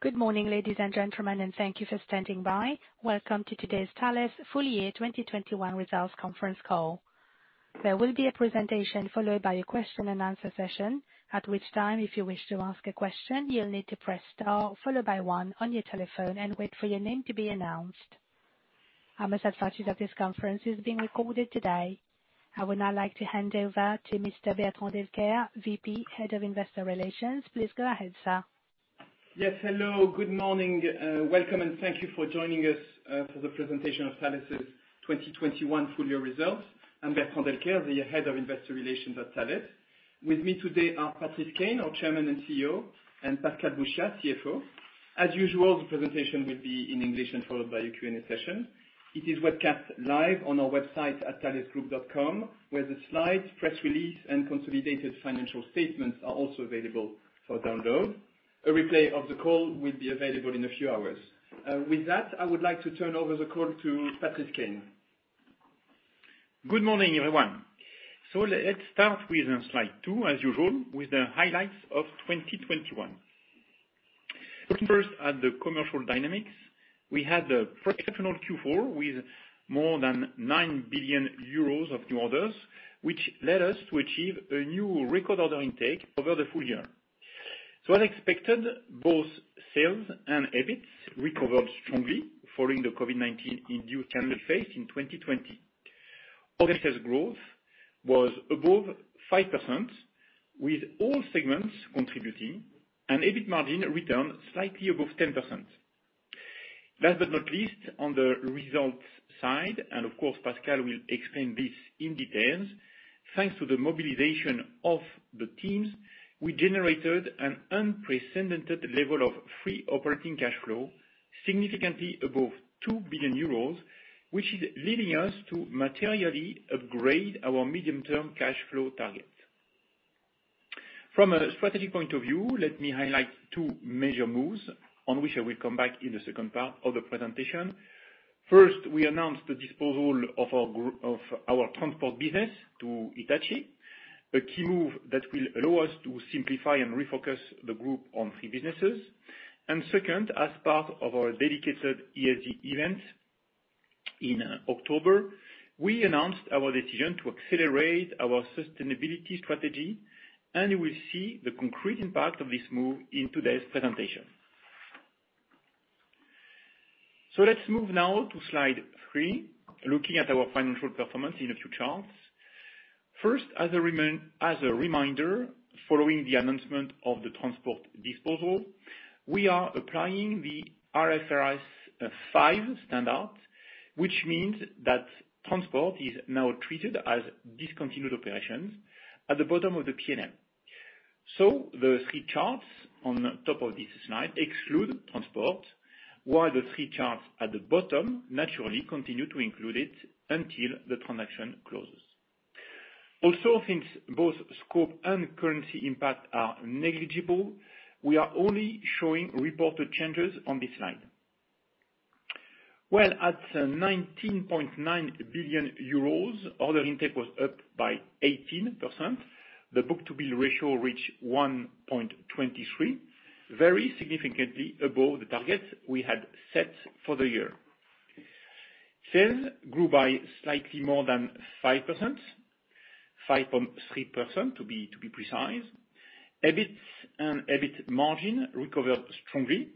Good morning, ladies and gentlemen, and thank you for standing by. Welcome to today's Thales full year 2021 Results conference call. There will be a presentation followed by a question-and-answer session, at which time, if you wish to ask a question, you'll need to press star followed by one on your telephone and wait for your name to be announced. I must advise you that this conference is being recorded today. I would now like to hand over to Mr. Bertrand Delcaire, VP, Head of Investor Relations. Please go ahead, Sir. Yes, hello. Good morning, welcome, and thank you for joining us for the presentation of Thales' 2021 full year results. I'm Bertrand Delcaire, the Head of Investor Relations at Thales. With me today are Patrice Caine, our Chairman and CEO, and Pascal Bouchiat, CFO. As usual, the presentation will be in English and followed by a Q&A session. It is webcast live on our website at thalesgroup.com, where the slides, press release, and consolidated financial statements are also available for download. A replay of the call will be available in a few hours. With that, I would like to turn over the call to Patrice Caine. Good morning, everyone. Let's start with slide two, as usual, with the highlights of 2021. Looking first at the commercial dynamics, we had an exceptional Q4 with more than 9 billion euros of new orders, which led us to achieve a new record order intake over the full year. As expected, both sales and EBIT recovered strongly following the COVID-19-induced harmful phase in 2020. Orders growth was above 5%, with all segments contributing and EBIT margin returned slightly above 10%. Last but not least, on the results side, and of course Pascal will explain this in detail, thanks to the mobilization of the teams, we generated an unprecedented level of free operating cash flow, significantly above 2 billion euros, which is leading us to materially upgrade our medium-term cash flow target. From a strategic point of view, let me highlight two major moves on which I will come back in the second part of the presentation. First, we announced the disposal of our transport business to Hitachi, a key move that will allow us to simplify and refocus the group on three businesses. Second, as part of our dedicated ESG event in October, we announced our decision to accelerate our sustainability strategy, and we see the concrete impact of this move in today's presentation. Let's move now to slide three, looking at our financial performance in a few charts. First, as a reminder, following the announcement of the transport disposal, we are applying the IFRS 5 standard, which means that transport is now treated as discontinued operations at the bottom of the P&L. The three charts on top of this slide exclude transport, while the three charts at the bottom naturally continue to include it until the transaction closes. Also, since both scope and currency impact are negligible, we are only showing reported changes on this slide. Well, at 19.9 billion euros, order intake was up by 18%. The book-to-bill ratio reached 1.23, very significantly above the target we had set for the year. Sales grew by slightly more than 5%, 5.3% to be precise. EBIT and EBIT margin recovered strongly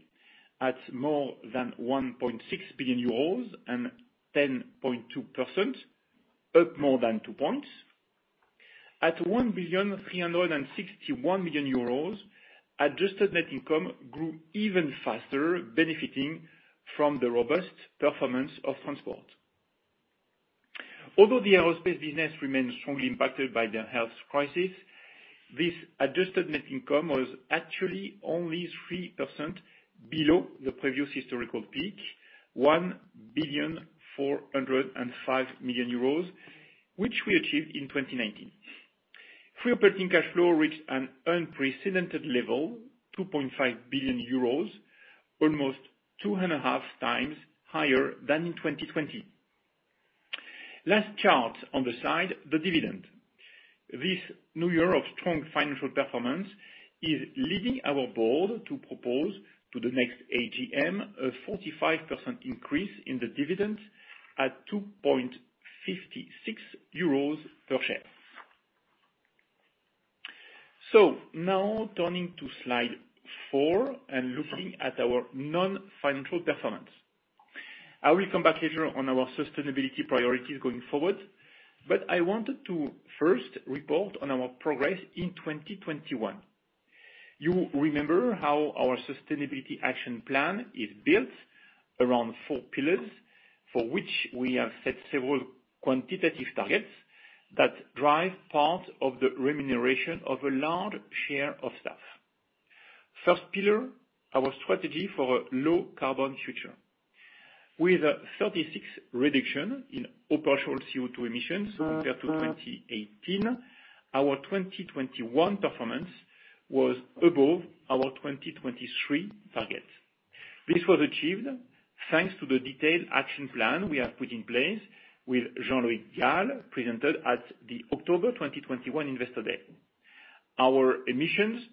at more than 1.6 billion euros and 10.2%, up more than two points. At 1.361 billion euros, adjusted net income grew even faster, benefiting from the robust performance of transport. Although the aerospace business remains strongly impacted by the health crisis, this adjusted net income was actually only 3% below the previous historical peak, 1.405 billion, which we achieved in 2019. Free operating cash flow reached an unprecedented level, 2.5 billion euros, almost two and a half times higher than in 2020. Last chart on the slide, the dividend. This new year of strong financial performance is leading our board to propose to the next AGM a 45% increase in the dividend at 2.56 euros per share. Now turning to slide four and looking at our non-financial performance. I will come back later on our sustainability priorities going forward, but I wanted to first report on our progress in 2021. You remember how our sustainability action plan is built around four pillars for which we have set several quantitative targets that drive part of the remuneration of a large share of staff. First pillar, our strategy for a low-carbon future. With a 36% reduction in operational CO2 emissions compared to 2018, our 2021 performance was above our 2023 target. This was achieved thanks to the detailed action plan we have put in place with Jean-Loïc Galle, presented at the October 2021 investor day. Our emissions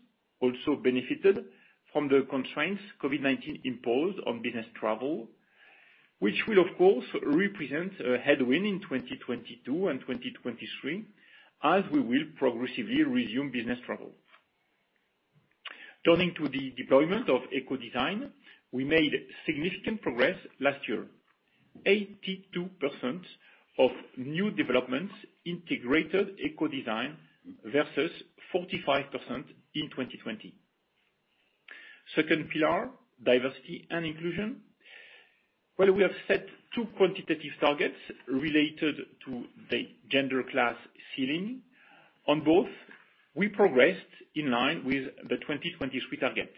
also benefited from the constraints COVID-19 imposed on business travel, which will of course, represent a headwind in 2022 and 2023, as we will progressively resume business travel. Turning to the deployment of eco-design, we made significant progress last year. 82% of new developments integrated eco-design versus 45% in 2020. Second pillar, diversity and inclusion. Well, we have set two quantitative targets related to the glass ceiling. On both, we progressed in line with the 2023 target.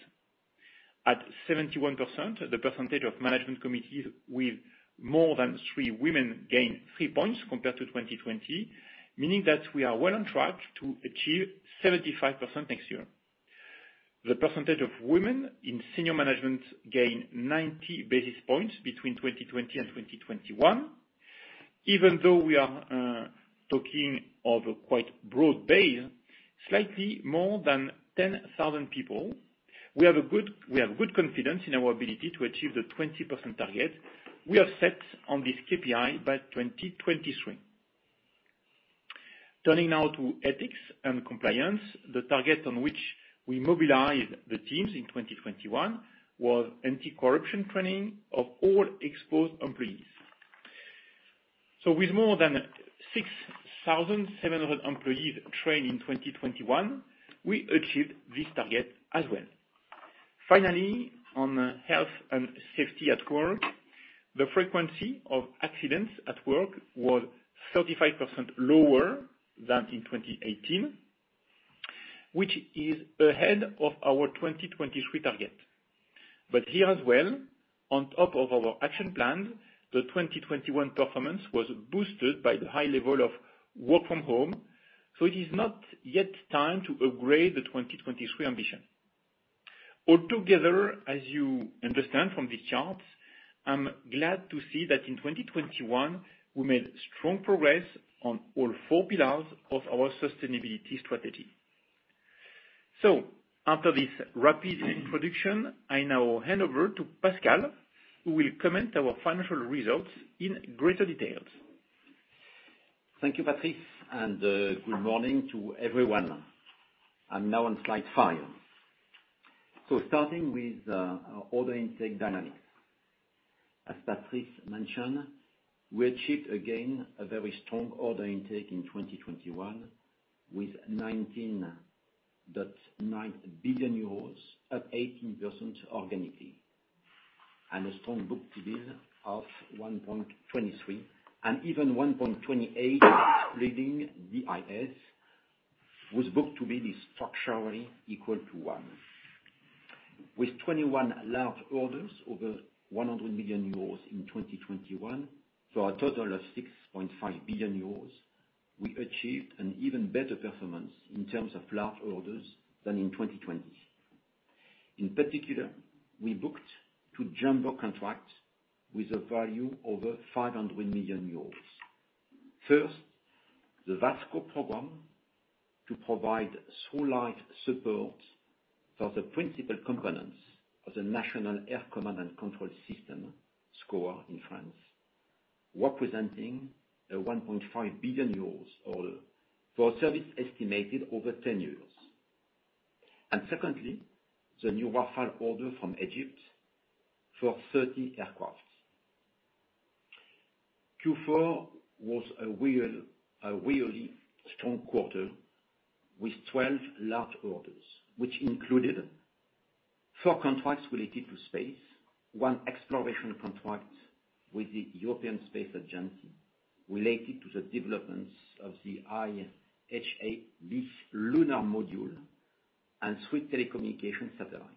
At 71%, the percentage of management committees with more than three women gained three points compared to 2020, meaning that we are well on track to achieve 75% next year. The percentage of women in senior management gained 90 basis points between 2020 and 2021. Even though we are talking of a quite broad base, slightly more than 10,000 people, we have good confidence in our ability to achieve the 20% target we have set on this KPI by 2023. Turning now to ethics and compliance, the target on which we mobilized the teams in 2021 was anti-corruption training of all exposed employees. With more than 6,700 employees trained in 2021, we achieved this target as well. Finally, on health and safety at work, the frequency of accidents at work was 35% lower than in 2018, which is ahead of our 2023 target. Here as well, on top of our action plan, the 2021 performance was boosted by the high level of work from home, so it is not yet time to upgrade the 2023 ambition. All together, as you understand from these charts, I'm glad to see that in 2021, we made strong progress on all four pillars of our sustainability strategy. After this rapid introduction, I now hand over to Pascal, who will comment our financial results in greater details. Thank you, Patrice, and good morning to everyone. I'm now on slide five. Starting with order intake dynamics. As Patrice mentioned, we achieved again a very strong order intake in 2021 with 19.9 billion euros at 18% organically, and a strong book-to-bill of 1.23, and even 1.28, including VIS, with book-to-bill structurally equal to one. With 21 large orders over 100 million euros in 2021, a total of 6.5 billion euros, we achieved an even better performance in terms of large orders than in 2020. In particular, we booked two jumbo contracts with a value over 500 million euros. First, the VASSCO program to provide satellite support for the principal components of the National Air Command and Control System, SCCOA, in France, representing a 1.5 billion euros order for a service estimated over 10 years. Secondly, the new Rafale order from Egypt for 30 aircraft. Q4 was a really strong quarter with 12 large orders, which included four contracts related to space, one exploration contract with the European Space Agency related to the developments of the Argonaut lunar module and three telecommunication satellites.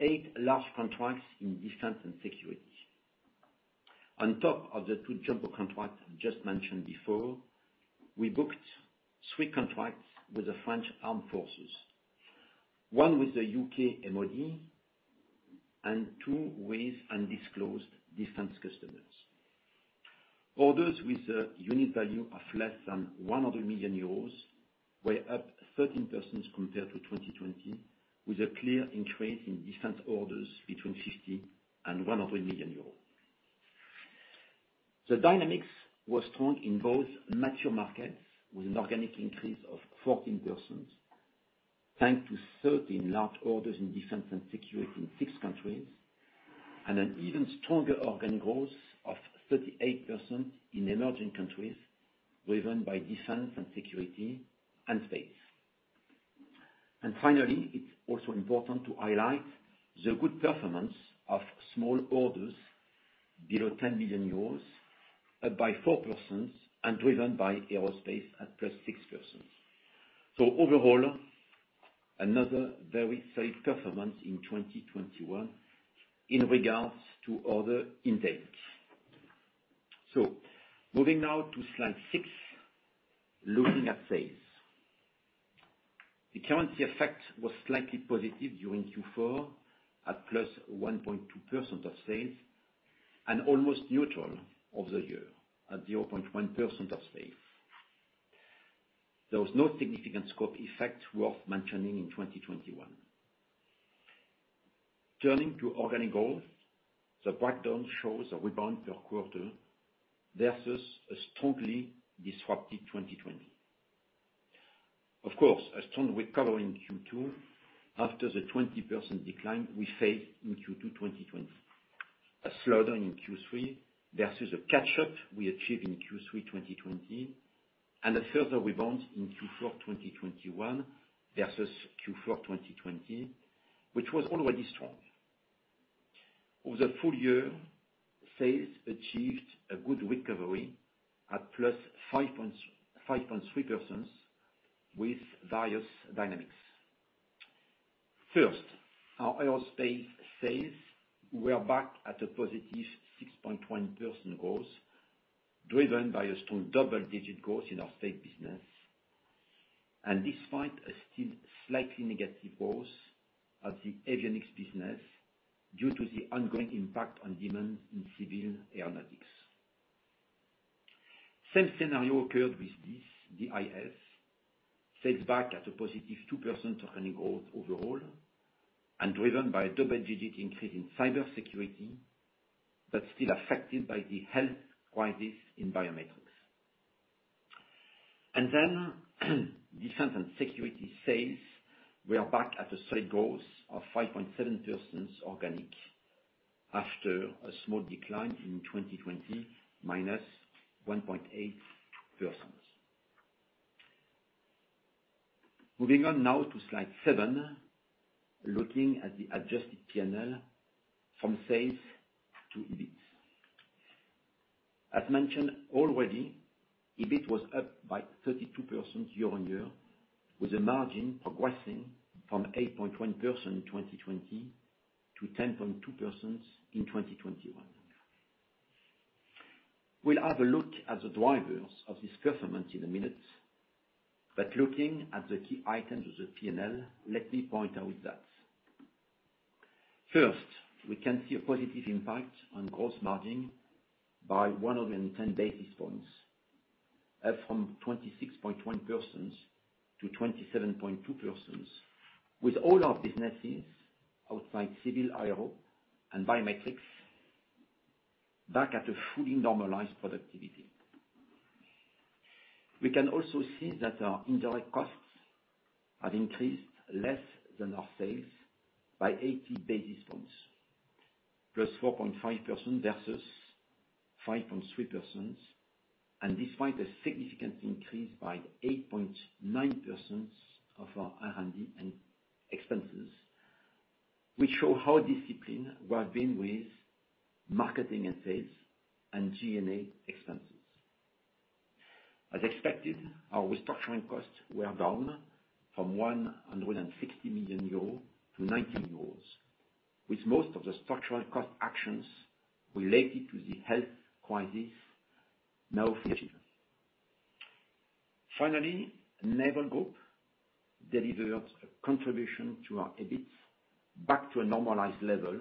eight large contracts in defense and security. On top of the two jumbo contracts I just mentioned before, we booked three contracts with the French Armed Forces, one with the U.K. MOD, and two with undisclosed defense customers. Orders with a unit value of less than 100 million euros were up 13% compared to 2020, with a clear increase in defense orders between 50 million and 100 million euros. The dynamics were strong in both mature markets, with an organic increase of 14%, thanks to 13 large orders in defense and security in six countries, and an even stronger organic growth of 38% in emerging countries, driven by defense and security and space. Finally, it's also important to highlight the good performance of small orders below 10 million euros, up by 4% and driven by aerospace at +6%. Overall, another very safe performance in 2021 in regards to order intake. Moving now to slide 6, looking at sales. The currency effect was slightly positive during Q4 at +1.2% of sales, and almost neutral over the year at 0.1% of sales. There was no significant scope effect worth mentioning in 2021. Turning to organic growth, the breakdown shows a rebound per quarter versus a strongly disrupted 2020. Of course, a strong recovery in Q2 after the 20% decline we faced in Q2 2020. A slowdown in Q3 versus a catch-up we achieved in Q3 2020 and a further rebound in Q4 2021 vs. Q4 2020, which was already strong. Over the full year, sales achieved a good recovery at +5.3% with various dynamics. First, our aerospace sales were back at a positive 6.1% growth, driven by a strong double-digit growth in our space business, and despite a still slightly negative growth at the avionics business due to the ongoing impact on demand in civil aeronautics. Same scenario occurred with this, DIS, sales back at a positive 2% organic growth overall and driven by a double-digit increase in cybersecurity, but still affected by the health crisis in biometrics. Defense and security sales were back at a steady growth of 5.7% organic after a small decline in 2020 -1.8%. Moving on now to slide seven, looking at the adjusted P&L from sales to EBIT. As mentioned already, EBIT was up by 32% year-on-year, with the margin progressing from 8.1% in 2020 to 10.2% in 2021. We'll have a look at the drivers of this performance in a minute, but looking at the key items of the P&L, let me point out that first, we can see a positive impact on gross margin by 110 basis points up from 26.1% to 27.2% with all our businesses outside civil aero and biometrics back at a fully normalized productivity. We can also see that our indirect costs have increased less than our sales by 80 basis points, plus 4.5% vs. 5.3%. Despite a significant increase by 8.9% of our R&D and expenses, which show how disciplined we have been with marketing and sales and G&A expenses. As expected, our restructuring costs were down from 160 million euros to 90 million euros, with most of the structural cost actions related to the health crisis now finished. Finally, Naval Group delivers a contribution to our EBIT back to a normalized level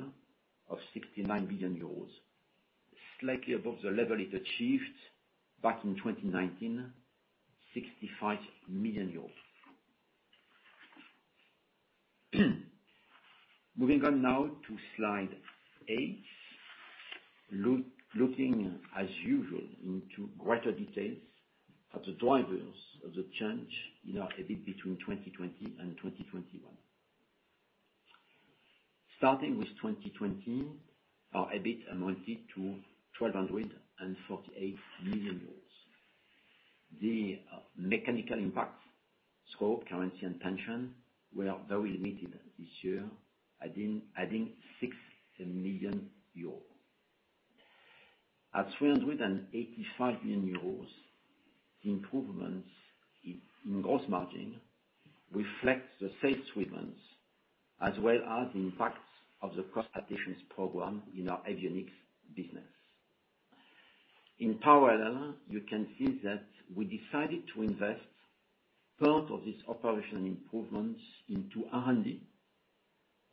of 69 million euros, slightly above the level it achieved back in 2019, 65 million euros. Moving on now to slide 8. Looking as usual into greater details at the drivers of the change in our EBIT between 2020 and 2021. Starting with 2020, our EBIT amounted to EUR 1,248 million. The mechanical impact scope, currency, and pension were very limited this year, adding 6 million euros. At 385 million euros, the improvements in gross margin reflect the sales improvements, as well as the impacts of the cost efficiency program in our Avionics business. In parallel, you can see that we decided to invest part of this operational improvements into R&D,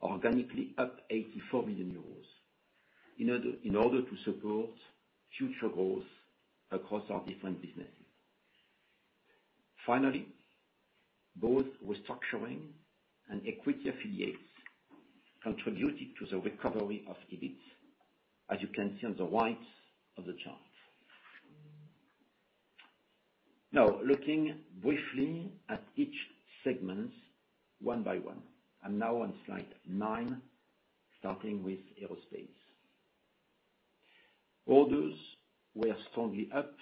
organically up 84 million euros, in order to support future growth across our different businesses. Finally, both restructuring and equity affiliates contributed to the recovery of EBIT, as you can see on the right of the chart. Now, looking briefly at each segment one by one. I'm now on slide nine, starting with Aerospace. Orders were strongly up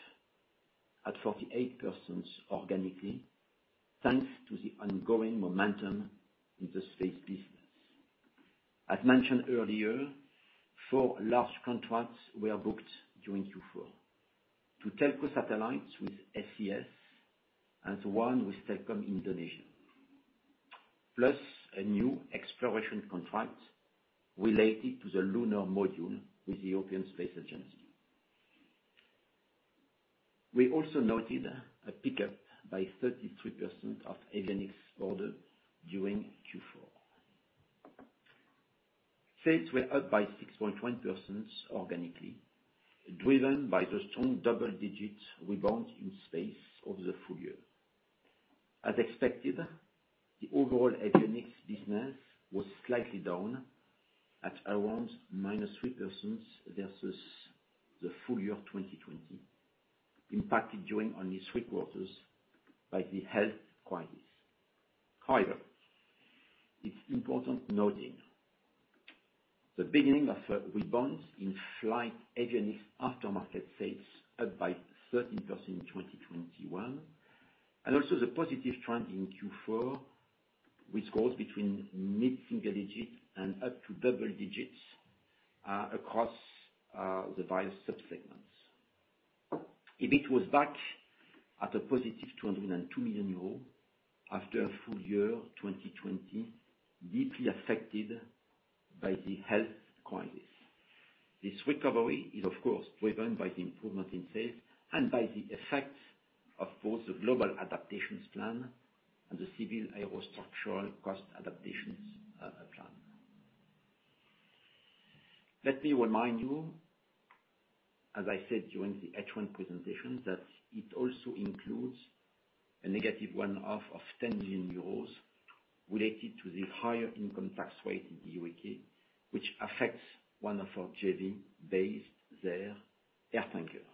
at 48% organically, thanks to the ongoing momentum in the Space business. As mentioned earlier, four large contracts were booked during Q4. Two telco satellites with SES and one with Telkom Indonesia. Plus a new exploration contract related to the lunar module with the European Space Agency. We also noted a pickup by 33% of avionics order during Q4. Sales were up by 6.1% organically, driven by the strong double digits rebound in space over the full year. As expected, the overall avionics business was slightly down at around -3% versus the full year 2020, impacted during only three quarters by the health crisis. However, it's important noting the beginning of a rebound in flight avionics aftermarket sales up by 13% in 2021, and also the positive trend in Q4, which goes between mid-single digit and up to double digits across the various sub-segments. EBIT was back at a positive 202 million euros after a full year 2020, deeply affected by the health crisis. This recovery is of course driven by the improvement in sales and by the effects of both the global adaptations plan and the civil aerostructural cost adaptations plan. Let me remind you, as I said during the H1 presentation, that it also includes a negative one-off of 10 million euros related to the higher income tax rate in the U.K., which affects one of our JV based there, AirTanker.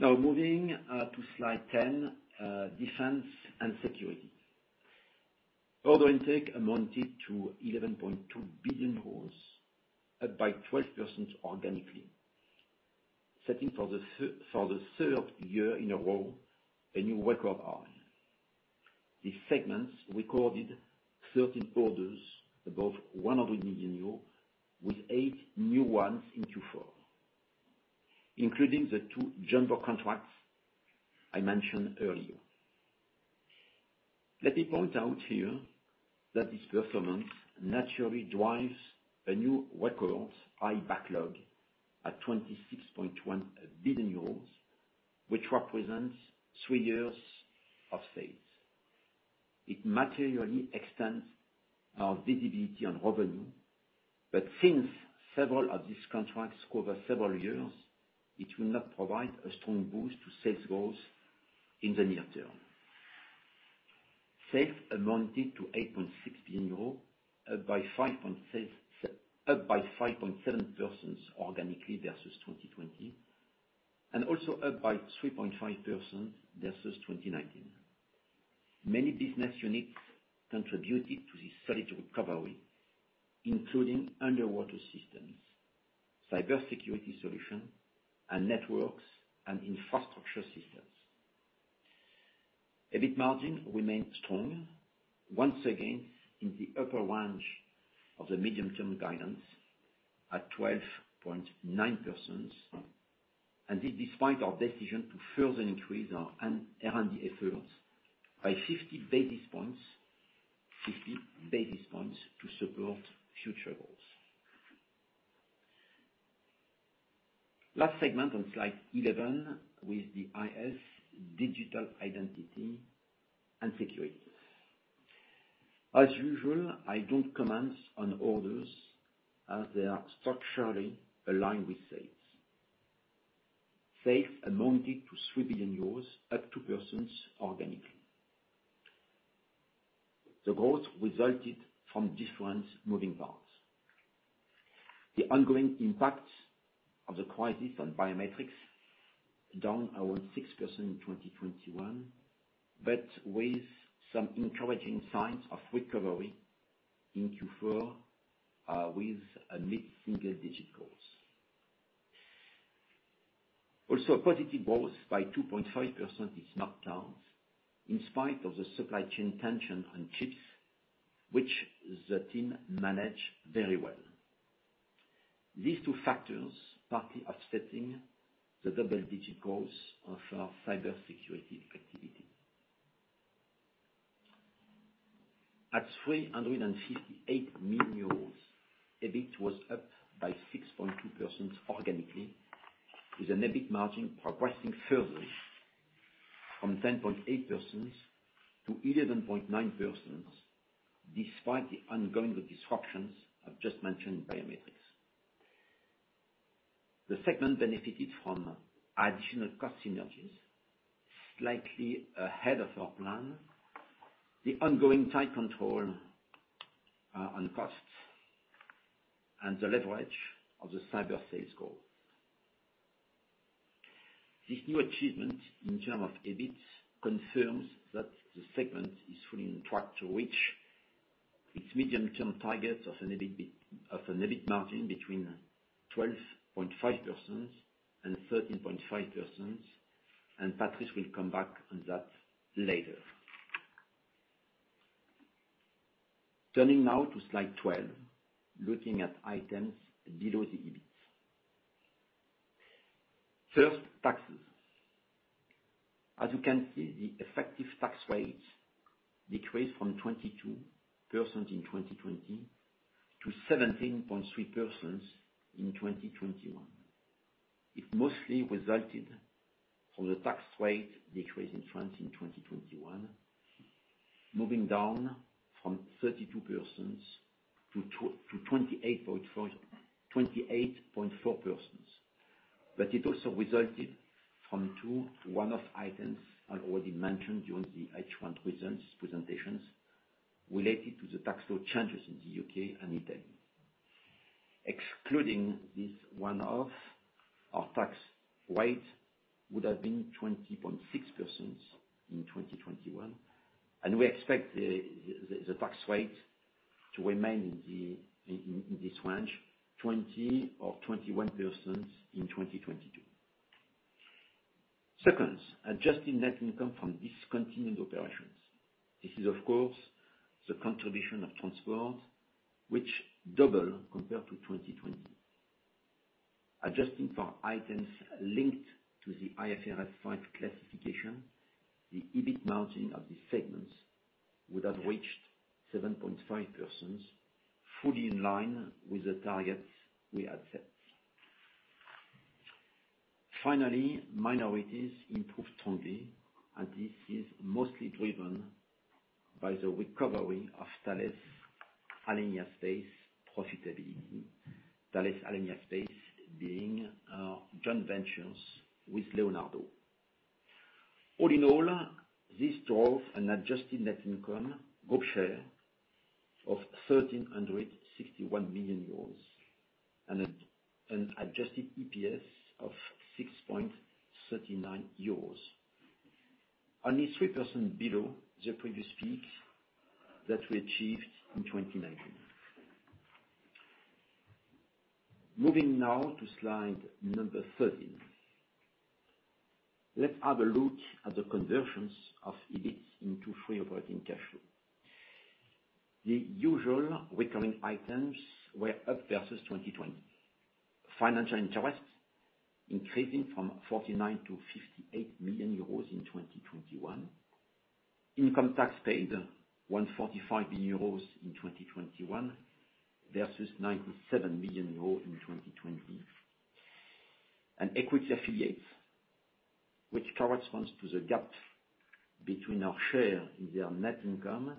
Now moving to slide 10, defense and security. Order intake amounted to 11.2 billion euros, up by 12% organically, setting for the third year in a row, a new record high. These segments recorded 13 orders above 100 million euros, with eight new ones in Q4, including the two jumbo contracts I mentioned earlier. Let me point out here that this performance naturally drives a new record high backlog at 26.1 billion euros, which represents 3 years of sales. It materially extends our visibility on revenue, but since several of these contracts cover several years, it will not provide a strong boost to sales growth in the near term. Sales amounted to 8.6 billion euros, up by 5.7% organically versus 2020, and also up by 3.5% vs.2019. Many business units contributed to this solid recovery, including underwater systems, cybersecurity solution, and networks, and infrastructure systems. EBIT margin remained strong, once again in the upper range of the medium-term guidance at 12.9%, and this despite our decision to further increase our R&D efforts by 50 basis points to support future goals. Last segment on slide 11 with the DIS Digital Identity and Security. As usual, I don't comment on orders as they are structurally aligned with sales. Sales amounted to 3 billion euros, up 2% organically. The growth resulted from different moving parts. The ongoing impact of the crisis on biometrics down around 6% in 2021, but with some encouraging signs of recovery in Q4 with a mid-single digit growth. Also a positive growth by 2.5% in smart cards in spite of the supply chain tension on chips, which the team managed very well. These two factors partly offsetting the double-digit growth of our cybersecurity activity. At 358 million euros, EBIT was up by 6.2% organically, with an EBIT margin progressing further from 10.8% to 11.9%, despite the ongoing disruptions I've just mentioned in biometrics. The segment benefited from additional cost synergies slightly ahead of our plan, the ongoing tight control on costs, and the leverage of the cyber sales growth. This new achievement in terms of EBIT confirms that the segment is fully on track to reach its medium-term target of an EBIT margin between 12.5% and 13.5%, and Patrice will come back on that later. Turning now to slide 12, looking at items below the EBIT. First, taxes. As you can see, the effective tax rate decreased from 22% in 2020 to 17.3% in 2021. It mostly resulted from the tax rate decrease in France in 2021, moving down from 32% to 28.4%. It also resulted from two one-off items I already mentioned during the H1 presentations related to the tax law changes in the U.K. and Italy. Excluding this one-off, our tax rate would have been 20.6% in 2021, and we expect the tax rate to remain in this range, 20% or 21% in 2022. Second, adjusting net income from discontinued operations. This is, of course, the contribution of transport, which double compared to 2020. Adjusting for items linked to the IFRS 5 classification, the EBIT margin of the segments would have reached 7.5%, fully in line with the targets we had set. Finally, minorities improved strongly, and this is mostly driven by the recovery of Thales Alenia Space profitability, Thales Alenia Space being joint ventures with Leonardo. All in all, this drove an adjusted net income group share of 1,361 million euros and Adjusted EPS of 6.39 euros, only 3% below the previous peak that we achieved in 2019. Moving now to slide 13. Let's have a look at the conversions of EBIT into free operating cash flow. The usual recurring items were up versus 2020. Financial interest increasing from 49 million to 58 million euros in 2021. Income tax paid 145 million euros in 2021 vs. 97 million euros in 2020. Equity affiliates, which corresponds to the gap between our share in their net income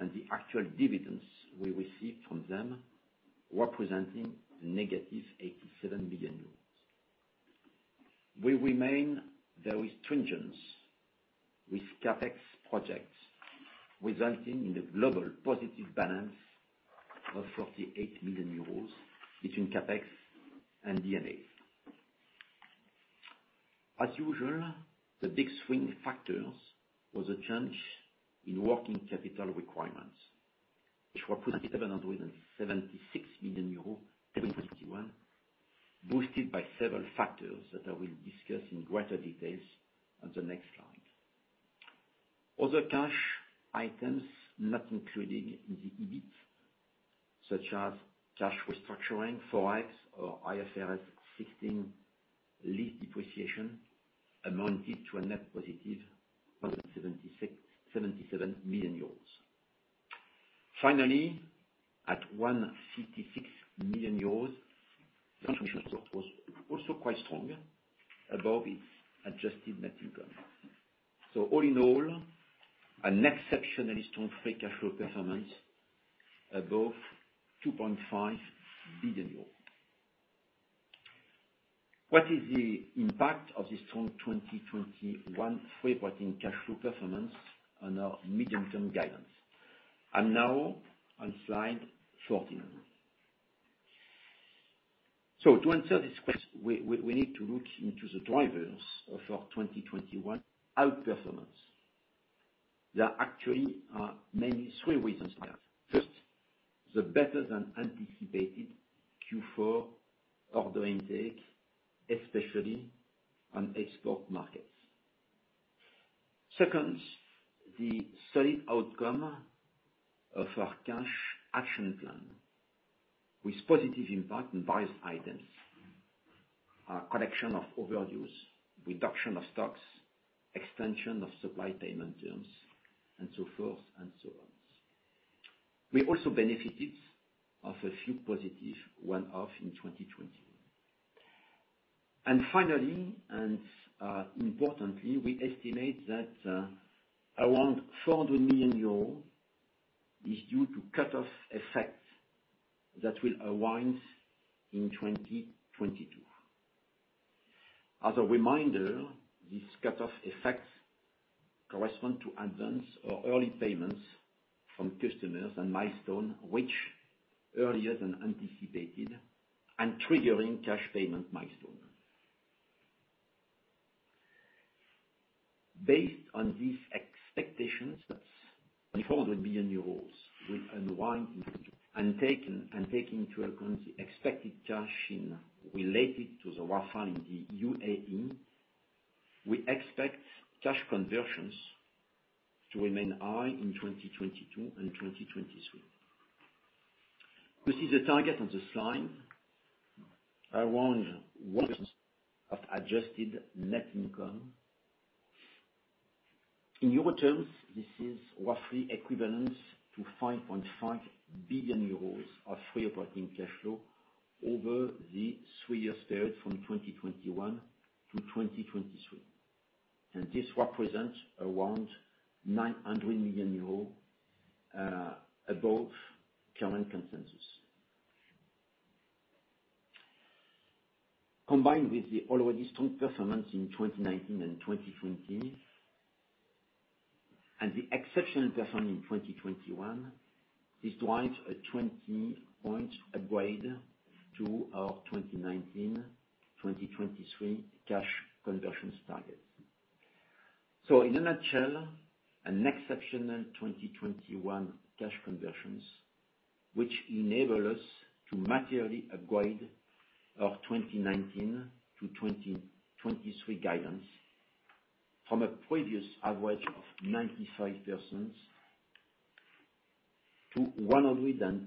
and the actual dividends we receive from them, representing -EUR 87 million. We remain very stringent with CapEx projects, resulting in a global positive balance of 48 million euros between CapEx and D&A. As usual, the big swing factors was a change in working capital requirements, which were +776 million euros in 2021, boosted by several factors that I will discuss in greater details on the next slide. Other cash items not included in the EBIT, such as cash restructuring, Forex or IFRS 16 lease depreciation, amounted to a net positive 177 million euros. Finally, at 156 million euros, transition was also quite strong above its adjusted net income. All in all, an exceptionally strong free cash flow performance above 2.5 billion euros. What is the impact of the strong 2021 free operating cash flow performance on our medium-term guidance? Now on slide 14. To answer this question, we need to look into the drivers of our 2021 outperformance. There actually are mainly three reasons for that. First, the better than anticipated Q4 order intake, especially on export markets. Second, the solid outcome of our cash action plan, with positive impact on various items, collection of overages, reduction of stocks, extension of supply payment terms, and so forth, and so on. We also benefited from a few positive one-off in 2021. Finally, importantly, we estimate that around 400 million euros is due to cut-off effects that will arise in 2022. As a reminder, these cut-off effects correspond to advance or early payments from customers and milestone reached earlier than anticipated and triggering cash payment milestones. Based on these expectations, that is 400 million euros will unwind in 2022, and taking into account the expected cash inflow related to the Rafale in the UAE, we expect cash conversions to remain high in 2022 and 2023. You see the target on the slide around 100% of adjusted net income. In euro terms, this is roughly equivalent to 5.5 billion euros of free operating cash flow over the three-year period from 2021 to 2023, and this represents around 900 million euros above current consensus. Combined with the already strong performance in 2019 and 2020, and the exceptional performance in 2021, this drives a 20-point upgrade to our 2019/2023 cash conversion target. In a nutshell, an exceptional 2021 cash conversion, which enables us to materially upgrade our 2019-2023 guidance from a previous average of 95% to 115%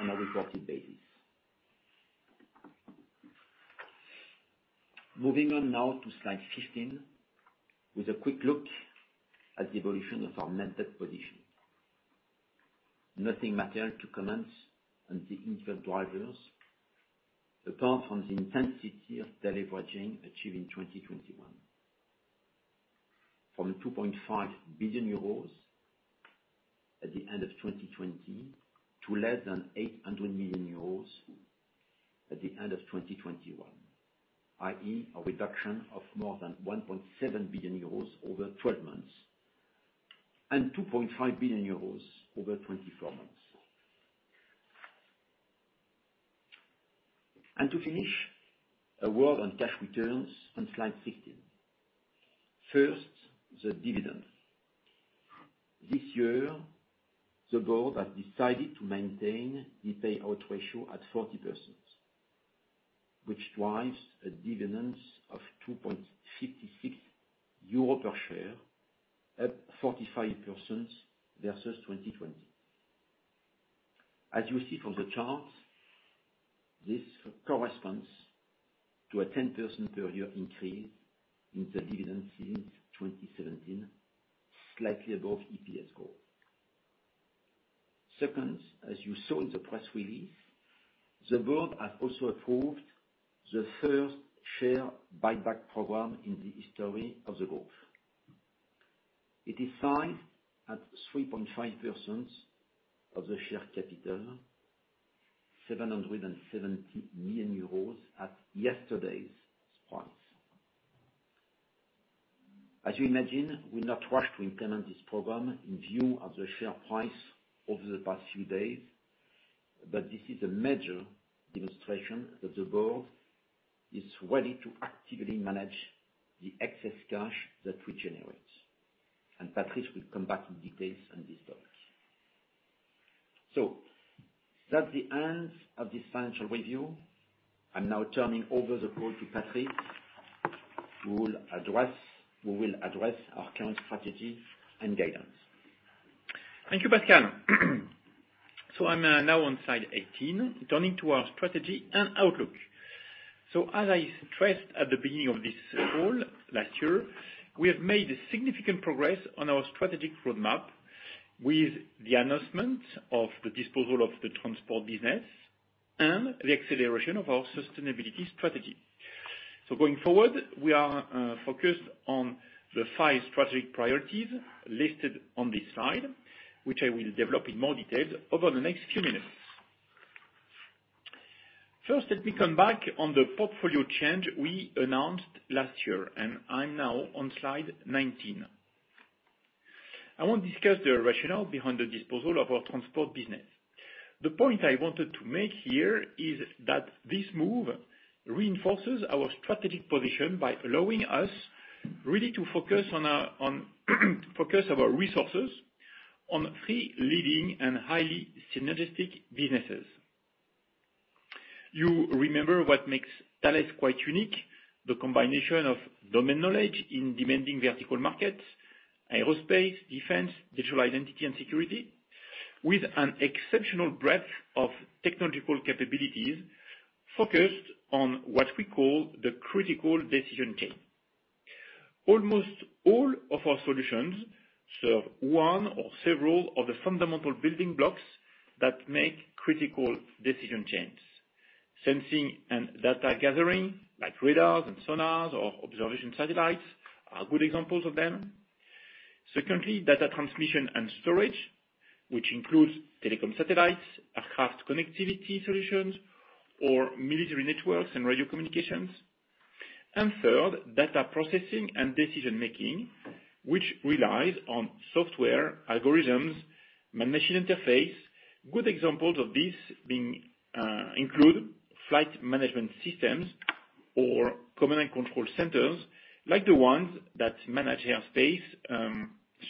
on a reported basis. Moving on now to slide 15, with a quick look at the evolution of our net debt position. Nothing material to comment on the input drivers apart from the intensity of de-leveraging achieved in 2021. From 2.5 billion euros at the end of 2020 to >EUR 800 million at the end of 2021, i.e., a reduction of more than 1.7 billion euros over 12 months, and 2.5 billion euros over 24 months. To finish, a word on cash returns on slide 16. First, the dividend. This year, the board has decided to maintain the payout ratio at 40%, which drives a dividend of 2.56 euro per share, at 45% versus 2020. As you see from the charts, this corresponds to a 10% per year increase in the dividend since 2017, slightly above EPS goal. Second, as you saw in the press release, the board has also approved the first share buyback program in the history of the group. It is sized at 3.5% of the share capital, 770 million euros at yesterday's price. As you imagine, we're not rushed to implement this program in view of the share price over the past few days, but this is a major demonstration that the board is ready to actively manage the excess cash that we generate, and Patrice will come back with details on this topic. That's the end of this financial review. I'm now turning over the call to Patrice, who will address our current strategy and guidance. Thank you, Pascal. I'm now on slide 18, turning to our strategy and outlook. As I stressed at the beginning of this call last year, we have made significant progress on our strategic roadmap with the announcement of the disposal of the transport business and the acceleration of our sustainability strategy. Going forward, we are focused on the 5 strategic priorities listed on this slide, which I will develop in more detail over the next few minutes. First, let me come back on the portfolio change we announced last year, and I'm now on slide 19. I won't discuss the rationale behind the disposal of our transport business. The point I wanted to make here is that this move reinforces our strategic position by allowing us really to focus our resources on three leading and highly synergistic businesses. You remember what makes Thales quite unique, the combination of domain knowledge in demanding vertical markets, aerospace, defense, digital identity, and security, with an exceptional breadth of technological capabilities focused on what we call the critical decision chain. Almost all of our solutions serve one or several of the fundamental building blocks that make critical decision chains. Sensing and data gathering, like radars and sonars or observation satellites, are good examples of them. Secondly, data transmission and storage, which includes telecom satellites, aircraft connectivity solutions or military networks and radio communications. Third, data processing and decision-making, which relies on software algorithms, man-machine interface. Good examples of this being include flight management systems or command and control centers like the ones that manage airspace,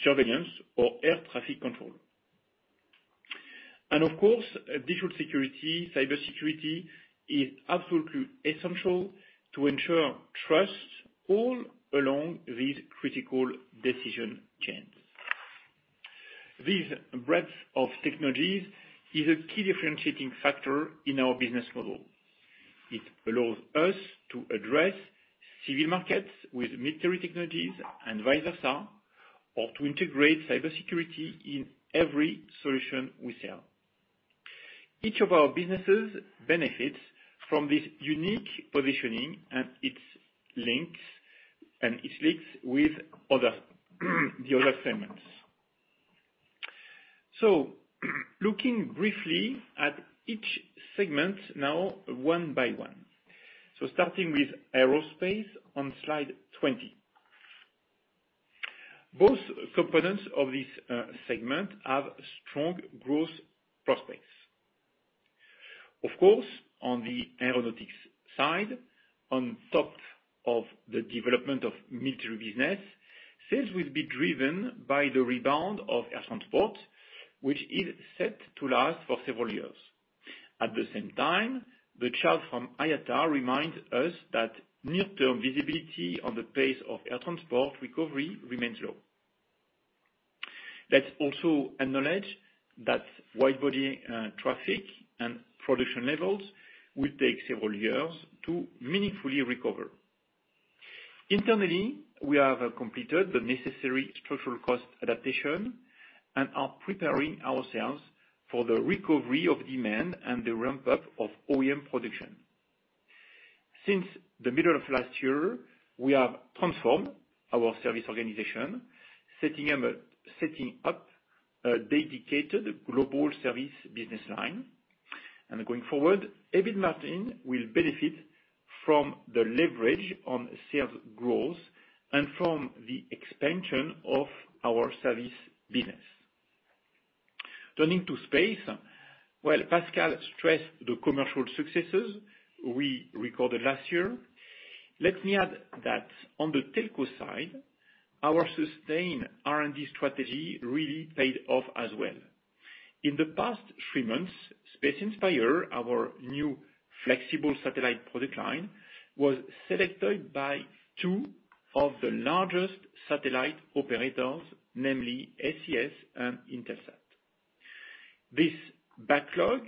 surveillance or air traffic control. Of course, digital security, cybersecurity is absolutely essential to ensure trust all along these critical decision chains. This breadth of technologies is a key differentiating factor in our business model. It allows us to address civil markets with military technologies and vice versa, or to integrate cybersecurity in every solution we sell. Each of our businesses benefits from this unique positioning and its links with the other segments. Looking briefly at each segment now one by one. Starting with Aerospace on slide 20. Both components of this segment have strong growth prospects. Of course, on the aeronautics side, on top of the development of military business, sales will be driven by the rebound of air transport, which is set to last for several years. At the same time, the chart from IATA reminds us that near-term visibility on the pace of air transport recovery remains low. Let's also acknowledge that wide-body traffic and production levels will take several years to meaningfully recover. Internally, we have completed the necessary structural cost adaptation and are preparing ourselves for the recovery of demand and the ramp-up of OEM production. Since the middle of last year, we have transformed our service organization, setting up a dedicated global service business line. Going forward, EBIT margin will benefit from the leverage on sales growth and from the expansion of our service business. Turning to space, while Pascal stressed the commercial successes we recorded last year, let me add that on the telco side, our sustained R&D strategy really paid off as well. In the past three months, Space Inspire, our new flexible satellite product line, was selected by two of the largest satellite operators, namely SES and Intelsat. This backlog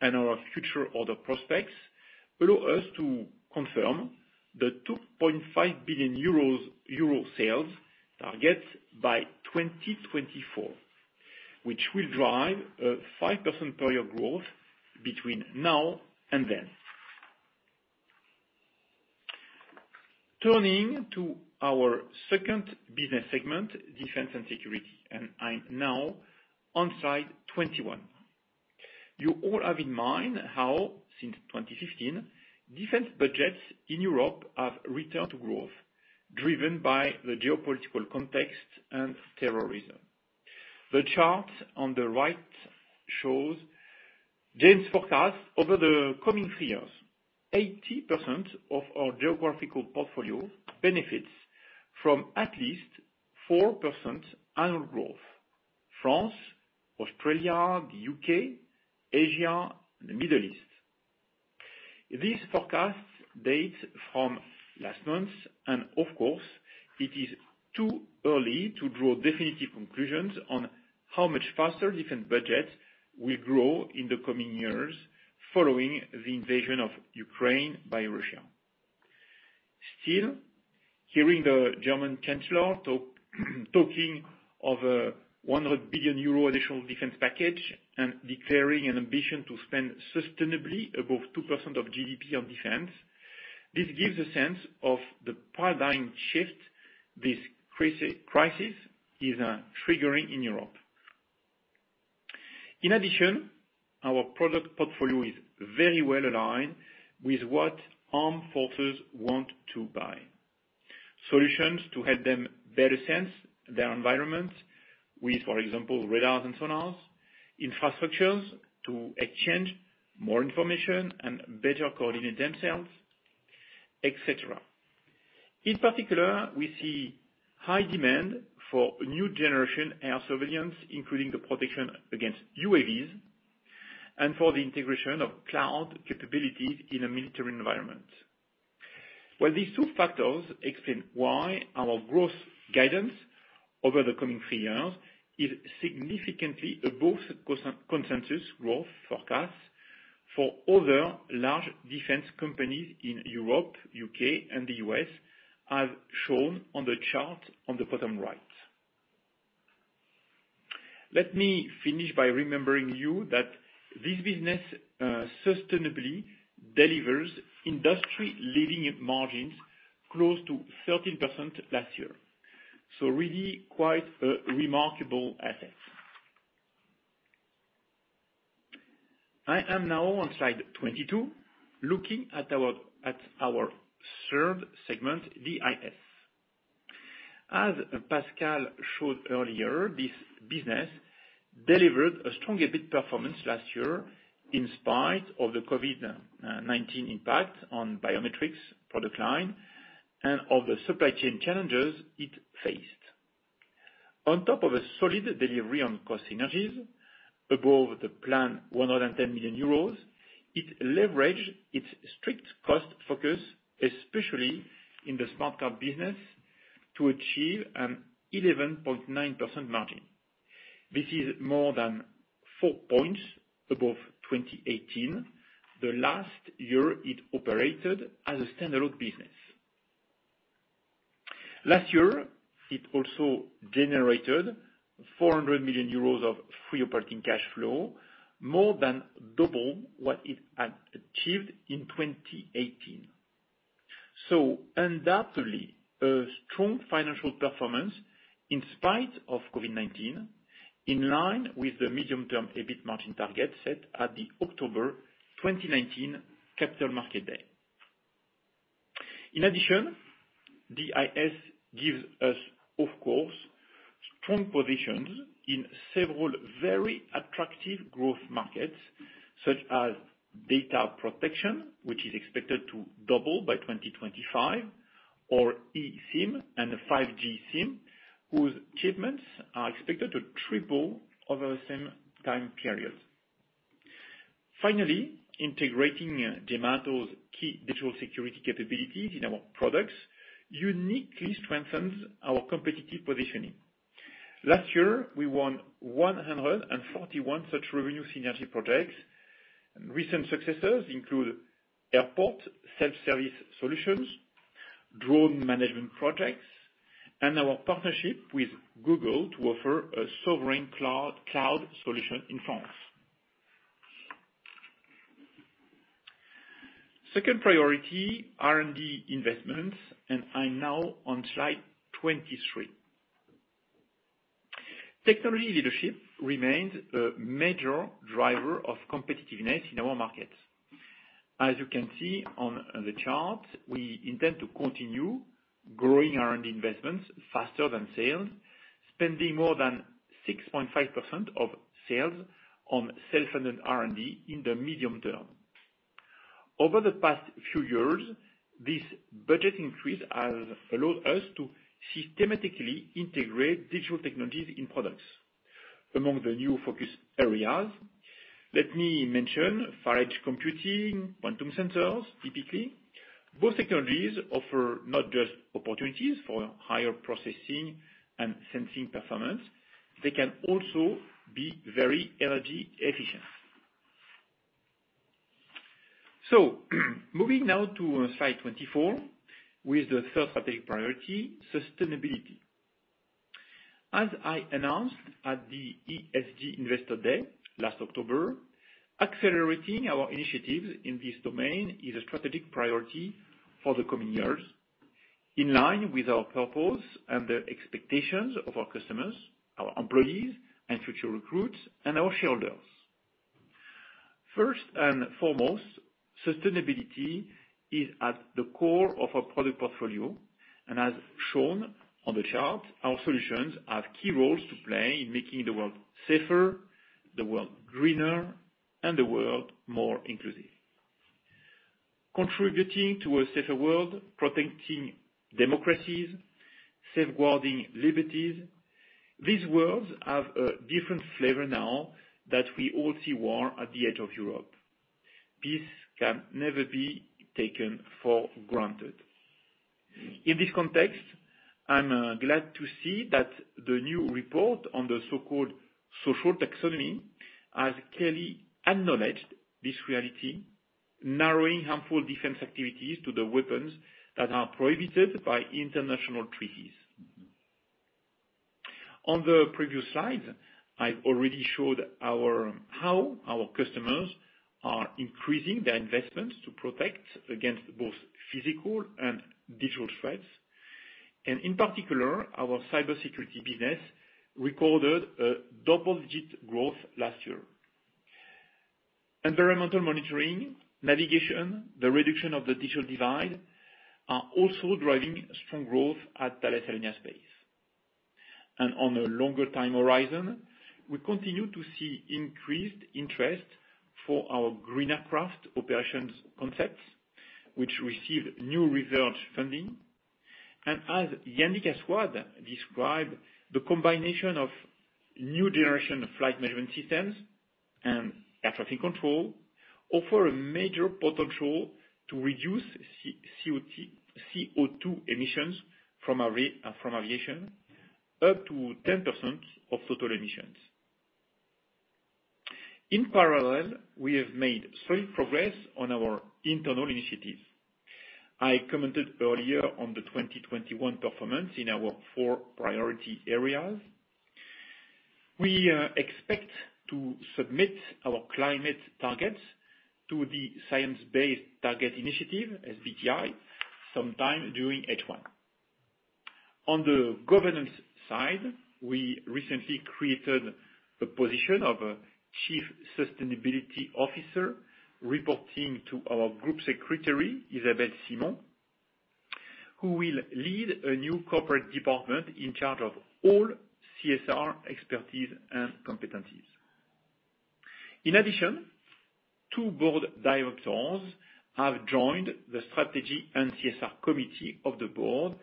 and our future order prospects allow us to confirm the 2.5 billion euro sales target by 2024, which will drive a 5% per year growth between now and then. Turning to our second business segment, defense and security, and I'm now on slide 21. You all have in mind how since 2015, defense budgets in Europe have returned to growth, driven by the geopolitical context and terrorism. The chart on the right shows Jane's forecast over the coming 3 years. 80% of our geographical portfolio benefits from at least 4% annual growth. France, Australia, the U.K., Asia, and the Middle East. These forecasts date from last month, and of course, it is too early to draw definitive conclusions on how much faster different budgets will grow in the coming years following the invasion of Ukraine by Russia. Still, hearing the German chancellor talk of a 100 billion euro additional defense package and declaring an ambition to spend sustainably above 2% of GDP on defense, this gives a sense of the paradigm shift this crisis is triggering in Europe. In addition, our product portfolio is very well aligned with what armed forces want to buy. Solutions to help them better sense their environment with, for example, radars and sonars, infrastructures to exchange more information and better coordinate themselves, etc. In particular, we see high demand for new-generation air surveillance, including the protection against UAVs and for the integration of cloud capabilities in a military environment. Well, these two factors explain why our growth guidance over the coming 3 years is significantly above consensus growth forecasts for other large defense companies in Europe, U.K., and the U.S., as shown on the chart on the bottom right. Let me finish by reminding you that this business sustainably delivers industry-leading margins close to 13% last year. Really quite a remarkable asset. I am now on slide 22, looking at our third segment, DIS. As Pascal showed earlier, this business delivered a strong EBIT performance last year in spite of the COVID-19 impact on biometrics product line and of the supply chain challenges it faced. On top of a solid delivery on cost synergies above the planned 110 million euros, it leveraged its strict cost focus, especially in the smart card business, to achieve an 11.9% margin. This is more than four points above 2018, the last year it operated as a standalone business. Last year, it also generated 400 million euros of free operating cash flow, more than double what it had achieved in 2018. Undoubtedly a strong financial performance in spite of COVID-19, in line with the medium-term EBIT margin target set at the October 2019 capital market day. In addition, DIS gives us, of course, strong positions in several very attractive growth markets, such as data protection, which is expected to double by 2025, or eSIM and the 5G SIM, whose shipments are expected to triple over the same time period. Finally, integrating Gemalto's key digital security capabilities in our products uniquely strengthens our competitive positioning. Last year, we won 141 such revenue synergy projects. Recent successes include airport self-service solutions, drone management projects, and our partnership with Google to offer a sovereign cloud solution in France. Second priority, R&D investments, and I'm now on slide 23. Technology leadership remains a major driver of competitiveness in our markets. As you can see on the chart, we intend to continue growing R&D investments faster than sales, spending more than 6.5% of sales on self-funded R&D in the medium term. Over the past few years, this budget increase has allowed us to systematically integrate digital technologies in products. Among the new focus areas, let me mention Far Edge computing, quantum sensors, typically. Both technologies offer not just opportunities for higher processing and sensing performance, they can also be very energy efficient. Moving now to slide 24 with the third strategic priority, sustainability. As I announced at the ESG Investor Day last October, accelerating our initiatives in this domain is a strategic priority for the coming years, in line with our purpose and the expectations of our customers, our employees and future recruits, and our shareholders. First and foremost, sustainability is at the core of our product portfolio. As shown on the chart, our solutions have key roles to play in making the world safer, the world greener, and the world more inclusive. Contributing to a safer world, protecting democracies, safeguarding liberties. These words have a different flavor now that we all see war at the edge of Europe. Peace can never be taken for granted. In this context, I'm glad to see that the new report on the so-called social taxonomy has clearly acknowledged this reality, narrowing harmful defense activities to the weapons that are prohibited by international treaties. On the previous slide, I've already showed how our customers are increasing their investments to protect against both physical and digital threats, and in particular, our cybersecurity business recorded a double-digit growth last year. Environmental monitoring, navigation, the reduction of the digital divide are also driving strong growth at Thales Alenia Space. On a longer time horizon, we continue to see increased interest for our greener craft operations concepts, which receive new research funding. As Yannick Assouad described, the combination of new generation flight management systems and air traffic control offer a major potential to reduce CO2 emissions from aviation, up to 10% of total emissions. In parallel, we have made solid progress on our internal initiatives. I commented earlier on the 2021 performance in our four priority areas. We expect to submit our climate targets to the Science Based Targets initiative, SBTI, sometime during H1. On the governance side, we recently created a position of a chief sustainability officer reporting to our group secretary, Isabelle Simon, who will lead a new corporate department in charge of all CSR expertise and competencies. In addition, two board directors have joined the strategy and CSR committee of the board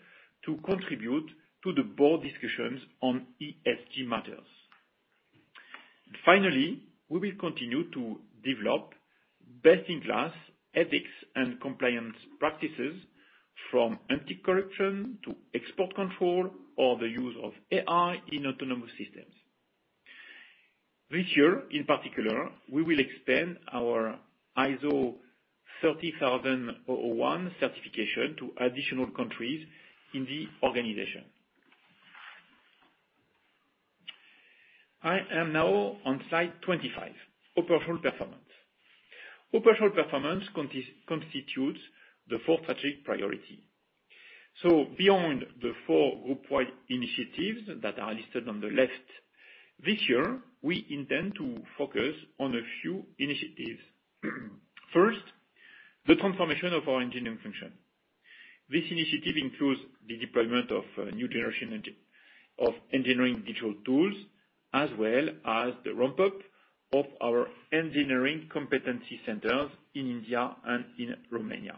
to contribute to the board discussions on ESG matters. Finally, we will continue to develop best-in-class ethics and compliance practices from anti-corruption to export control or the use of AI in autonomous systems. This year, in particular, we will expand our ISO 37001 certification to additional countries in the organization. I am now on slide 25, operational performance. Operational performance constitutes the fourth strategic priority. Beyond the four group-wide initiatives that are listed on the left, this year, we intend to focus on a few initiatives. First, the transformation of our engineering function. This initiative includes the deployment of new generation of engineering digital tools, as well as the ramp-up of our engineering competency centers in India and in Romania.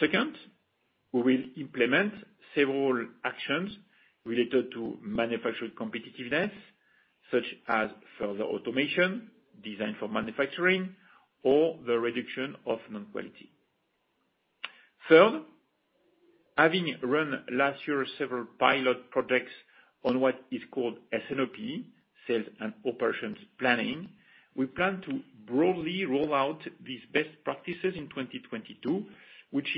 Second, we will implement several actions related to manufacturing competitiveness, such as further automation, design for manufacturing, or the reduction of non-quality. Third, having run last year several pilot projects on what is called S&OP, sales and operations planning, we plan to broadly roll out these best practices in 2022, which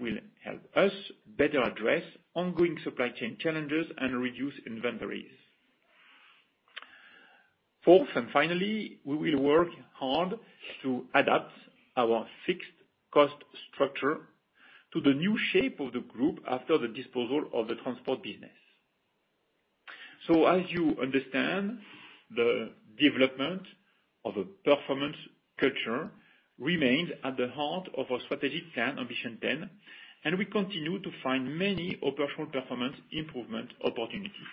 will help us better address ongoing supply chain challenges and reduce inventories. Fourth and finally, we will work hard to adapt our fixed cost structure to the new shape of the group after the disposal of the transport business. As you understand, the development of a performance culture remains at the heart of our strategic plan, Ambition 10, and we continue to find many operational performance improvement opportunities.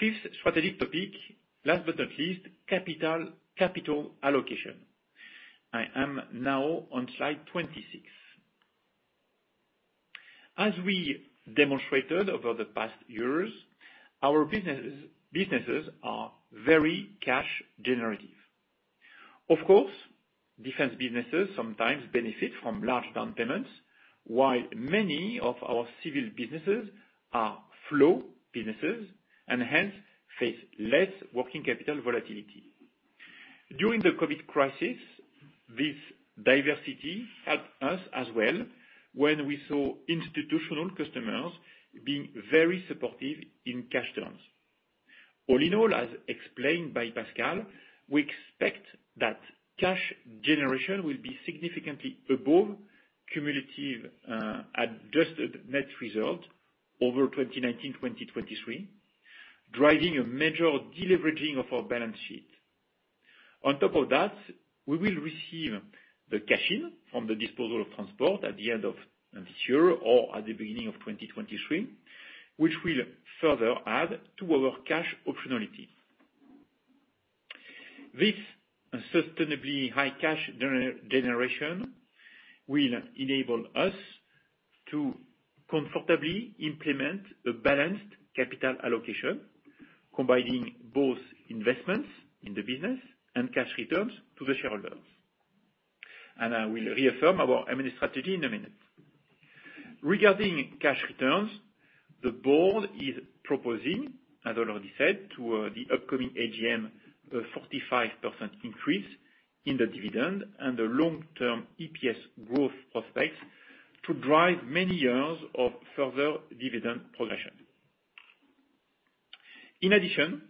Fifth strategic topic, last but not least, capital allocation. I am now on slide 26. As we demonstrated over the past years, our businesses are very cash generative. Of course, defense businesses sometimes benefit from large down payments, while many of our civil businesses are flow businesses and hence face less working capital volatility. During the COVID-19 crisis, this diversity helped us as well, when we saw institutional customers being very supportive in cash terms. All in all, as explained by Pascal, we expect that cash generation will be significantly above cumulative adjusted net result over 2019-2023, driving a major deleveraging of our balance sheet. On top of that, we will receive the cash-in from the disposal of transport at the end of this year or at the beginning of 2023, which will further add to our cash optionality. This sustainably high cash generation will enable us to comfortably implement a balanced capital allocation, combining both investments in the business and cash returns to the shareholders. I will reaffirm our M&A strategy in a minute. Regarding cash returns, the board is proposing, as already said, to the upcoming AGM, a 45% increase in the dividend and the long-term EPS growth prospects to drive many years of further dividend progression. In addition,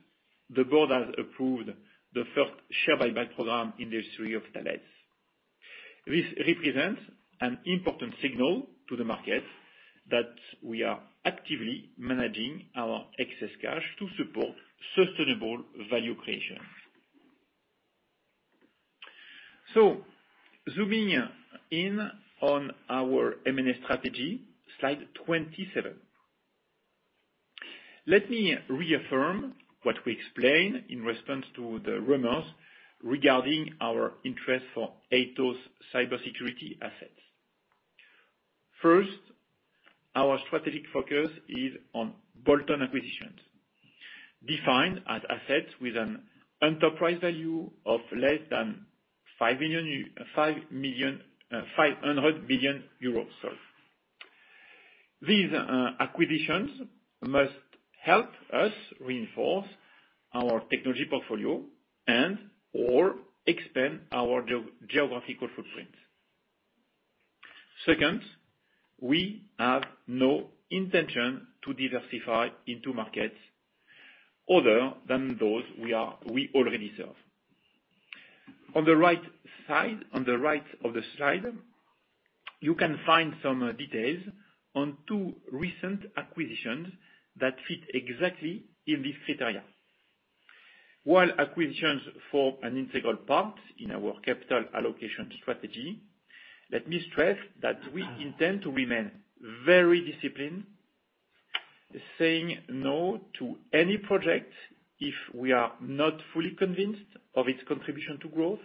the board has approved the first share buyback program in the history of Thales. This represents an important signal to the market that we are actively managing our excess cash to support sustainable value creation. Zooming in on our M&A strategy, slide 27. Let me reaffirm what we explained in response to the rumors regarding our interest for Atos cybersecurity assets. First, our strategic focus is on bolt-on acquisitions, defined as assets with an enterprise value of less than EUR 500 million. These acquisitions must help us reinforce our technology portfolio and/or expand our geographical footprint. Second, we have no intention to diversify into markets other than those we already serve. On the right side, on the right of the slide, you can find some details on two recent acquisitions that fit exactly in this criteria. While acquisitions form an integral part in our capital allocation strategy, let me stress that we intend to remain very disciplined. Saying no to any project, if we are not fully convinced of its contribution to growth,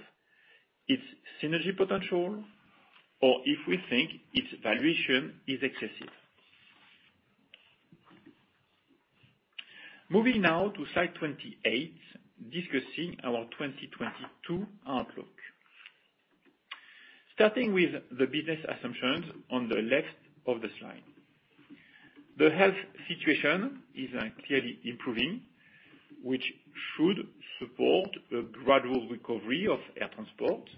its synergy potential, or if we think its valuation is excessive. Moving now to slide 28, discussing our 2022 outlook. Starting with the business assumptions on the left of the slide. The health situation is clearly improving, which should support a gradual recovery of air transport.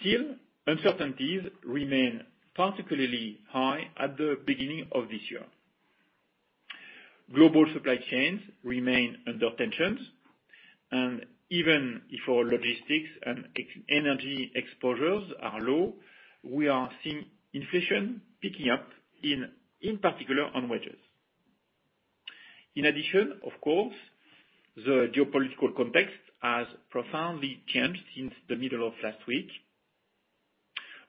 Still, uncertainties remain particularly high at the beginning of this year. Global supply chains remain under tensions, and even if our logistics and ex-energy exposures are low, we are seeing inflation picking up in particular on wages. In addition, of course, the geopolitical context has profoundly changed since the middle of last week.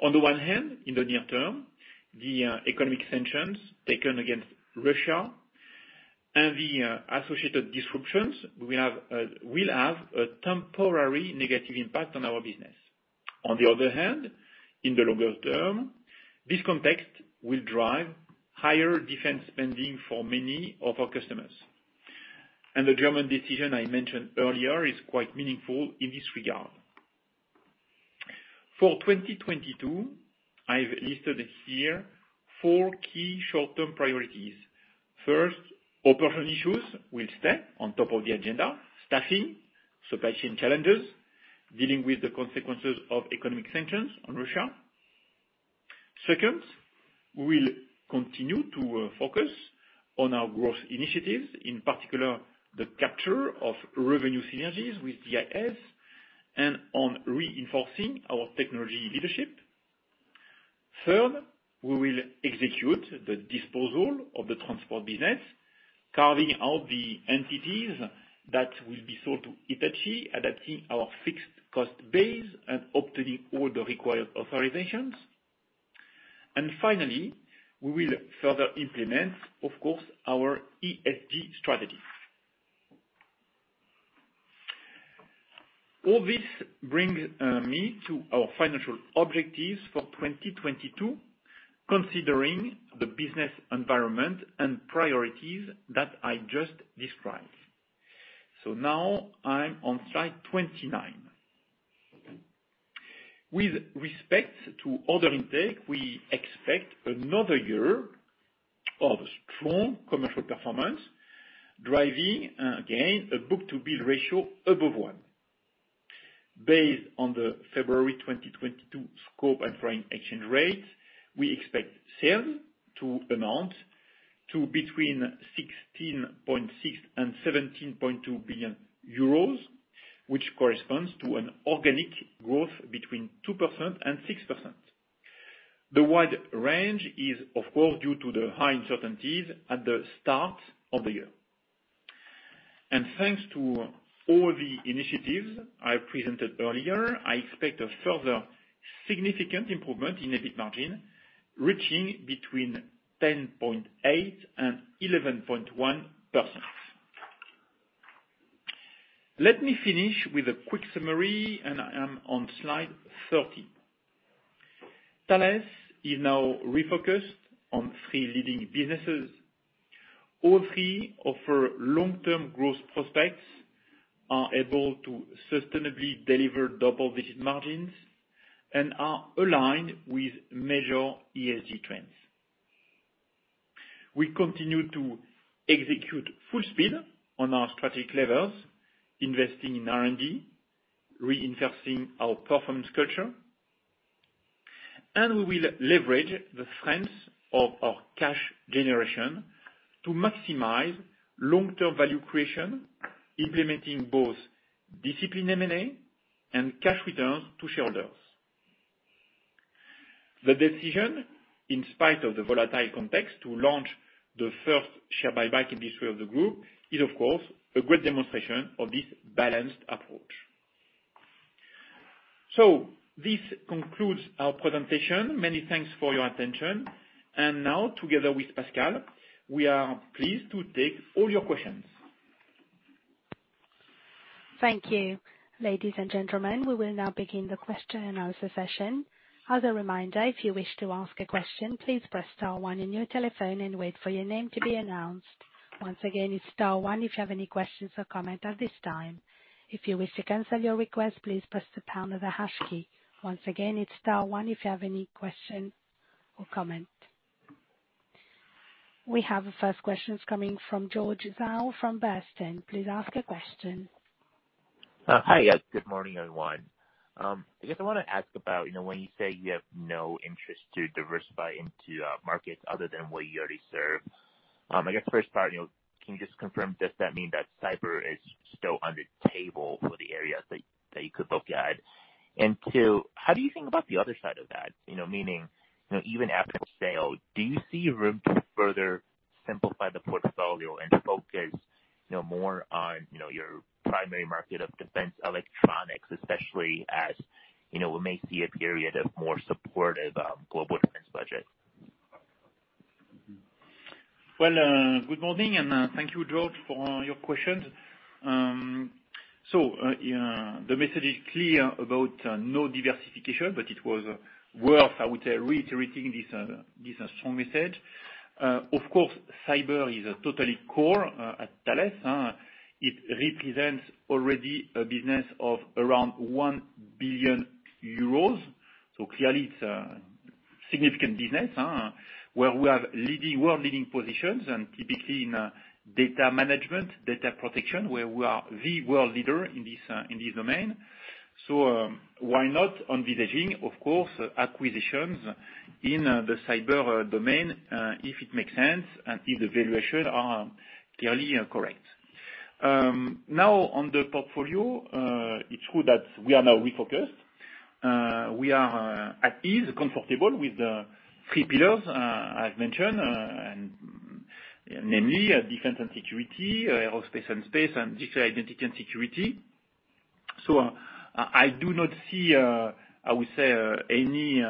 On the one hand, in the near term, the economic sanctions taken against Russia and the associated disruptions we have will have a temporary negative impact on our business. On the other hand, in the longer term, this context will drive higher defense spending for many of our customers. The German decision I mentioned earlier is quite meaningful in this regard. For 2022, I've listed here four key short-term priorities. First, operational issues will stay on top of the agenda. Staffing, supply chain challenges, dealing with the consequences of economic sanctions on Russia. Second, we'll continue to focus on our growth initiatives, in particular, the capture of revenue synergies with DIS, and on reinforcing our technology leadership. Third, we will execute the disposal of the transport business, carving out the entities that will be sold to Hitachi, adapting our fixed cost base and obtaining all the required authorizations. Finally, we will further implement, of course, our ESG strategy. All this bring me to our financial objectives for 2022, considering the business environment and priorities that I just described. Now I'm on slide 29. With respect to order intake, we expect another year of strong commercial performance, driving again, a book-to-bill ratio above 1. Based on the February 2022 scope and foreign exchange rate, we expect sales to amount to between 16.6 billion and 17.2 billion euros, which corresponds to an organic growth between 2% and 6%. The wide range is of course, due to the high uncertainties at the start of the year. Thanks to all the initiatives I presented earlier, I expect a further significant improvement in EBIT margin, reaching between 10.8% and 11.1%. Let me finish with a quick summary, and I am on slide 30. Thales is now refocused on three leading businesses. All three offer long-term growth prospects, are able to sustainably deliver double-digit margins, and are aligned with major ESG trends. We continue to execute full speed on our strategic levers, investing in R&D, reinforcing our performance culture, and we will leverage the strengths of our cash generation to maximize long-term value creation, implementing both disciplined M&A and cash returns to shareholders. The decision, in spite of the volatile context, to launch the first share buyback in the history of the group is of course a great demonstration of this balanced approach. This concludes our presentation. Many thanks for your attention. Now together with Pascal, we are pleased to take all your questions. Thank you. Ladies and gentlemen, we will now begin the question and answer session. As a reminder, if you wish to ask a question, please press star one on your telephone and wait for your name to be announced. Once again, it's star one if you have any questions or comment at this time. If you wish to cancel your request, please press the pound or the hash key. Once again, it's star one if you have any question or comment. We have the first question is coming from George McWhirter from Berenberg Bank. Please ask a question. Hi. Yes, good morning, everyone. I guess I wanna ask about, you know, when you say you have no interest to diversify into markets other than what you already serve. I guess first part, you know, can you just confirm, does that mean that cyber is still on the table for the areas that you could look at. Two, how do you think about the other side of that? You know, meaning, you know, even after the sale, do you see room to further simplify the portfolio and focus, you know, more on, you know, your primary market of defense electronics, especially as, you know, we may see a period of more supportive global defense budget? Well, good morning, and thank you, George, for your questions. Yeah, the message is clear about no diversification, but it was worth, I would say, reiterating this strong message. Of course, cyber is a totally core at Thales. It represents already a business of around 1 billion euros. Clearly it's a significant business, where we have world-leading positions and typically in data management, data protection, where we are the world leader in this domain. Why not envisioning, of course, acquisitions in the cyber domain, if it makes sense and if the valuations are clearly correct. Now, on the portfolio, it's true that we are now refocused. We are at ease, comfortable with the three pillars I've mentioned, and namely Defense and Security, Aerospace & Space and Digital Identity & Security. I do not see any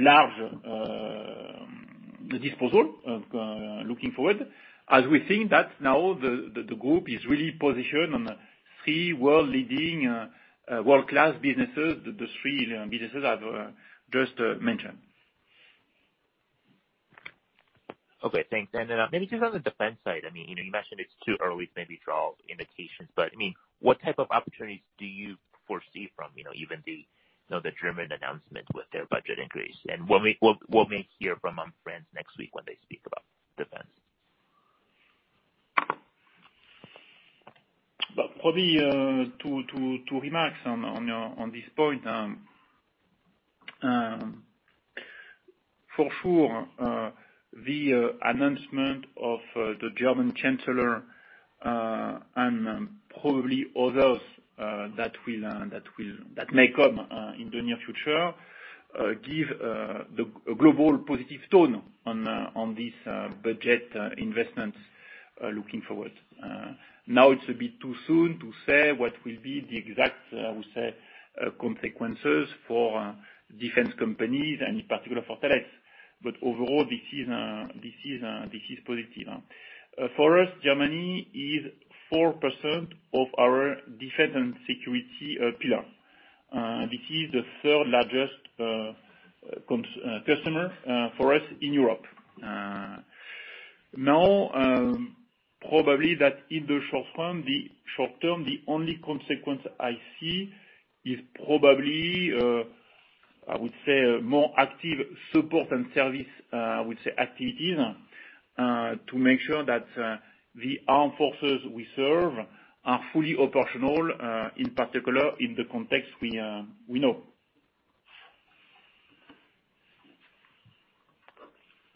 large disposal looking forward, as we think that now the group is really positioned on three world-leading world-class businesses, the three businesses I've just mentioned. Okay, thanks. Maybe just on the defense side, I mean, you know, you mentioned it's too early to maybe draw indications, but, I mean, what type of opportunities do you foresee from, you know, even the, you know, the German announcement with their budget increase and what we hear from France next week when they speak about defense? Probably two remarks on this point, for sure, the announcement of the German chancellor and probably others that may come in the near future give a global positive tone on these budget investments looking forward. Now it's a bit too soon to say what will be the exact, I would say, consequences for defense companies and in particular for Thales. Overall, this is positive. For us, Germany is 4% of our Defense and Security pillar. This is the third largest customer for us in Europe. Now, probably that in the short term, the only consequence I see is probably, I would say more active support and service, I would say, activities to make sure that the armed forces we serve are fully operational, in particular in the context we know.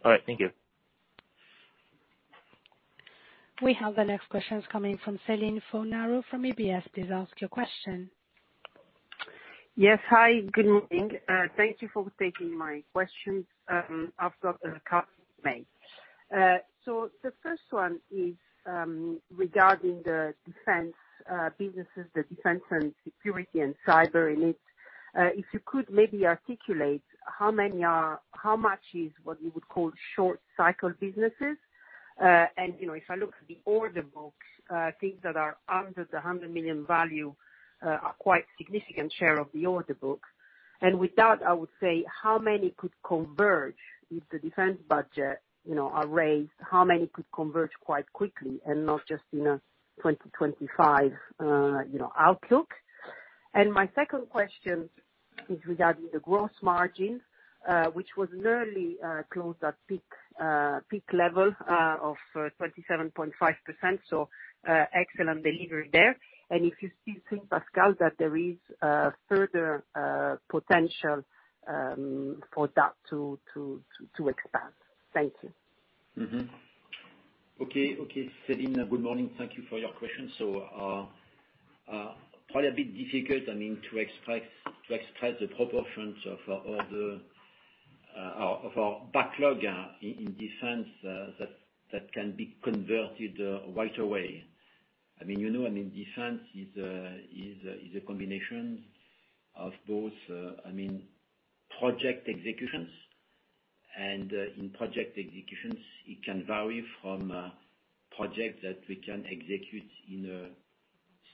All right. Thank you. We have the next questions coming from Celine Fornaro from UBS. Please ask your question. Yes. Hi. Good morning. Thank you for taking my questions after the made. The first one is regarding the defense businesses, the Defense and Security and cyber and IT. If you could maybe articulate how much is what you would call short cycle businesses. You know, if I look at the order book, things that are under the 100 million value are quite significant share of the order book. With that, I would say how many could convert if the defense budget, you know, are raised, how many could convert quite quickly and not just in a 2025 outlook? My second question is regarding the gross margin, which was nearly close to peak level of 27.5%. Excellent delivery there. If you still think, Pascal, that there is further potential for that to expand. Thank you. Okay. Okay, Celine. Good morning. Thank you for your questions. Probably a bit difficult, I mean, to extract the proportions of our backlog in defense that can be converted right away. I mean, you know, I mean, defense is a combination of those project executions. In project executions, it can vary from projects that we can execute in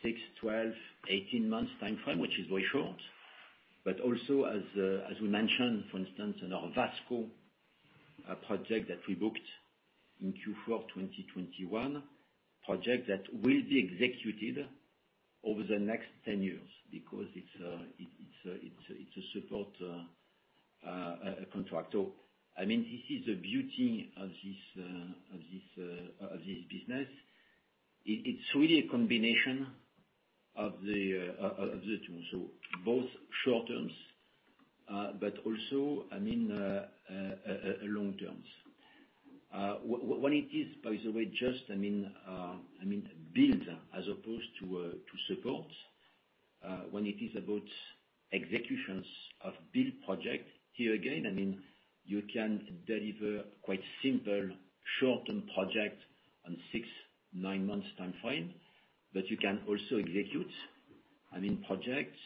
6, 12, 18 months timeframe, which is very short. Also as we mentioned, for instance, in our VASSCO project that we booked in Q4 2021, project that will be executed over the next 10 years because it's a support contract. I mean, this is the beauty of this business. It's really a combination of the two. Both short terms- I mean, long terms. When it is, by the way, just, I mean, build as opposed to support, when it is about executions of build project. Here again, I mean, you can deliver quite simple short-term projects on six, nine months timeframe, but you can also execute, I mean, projects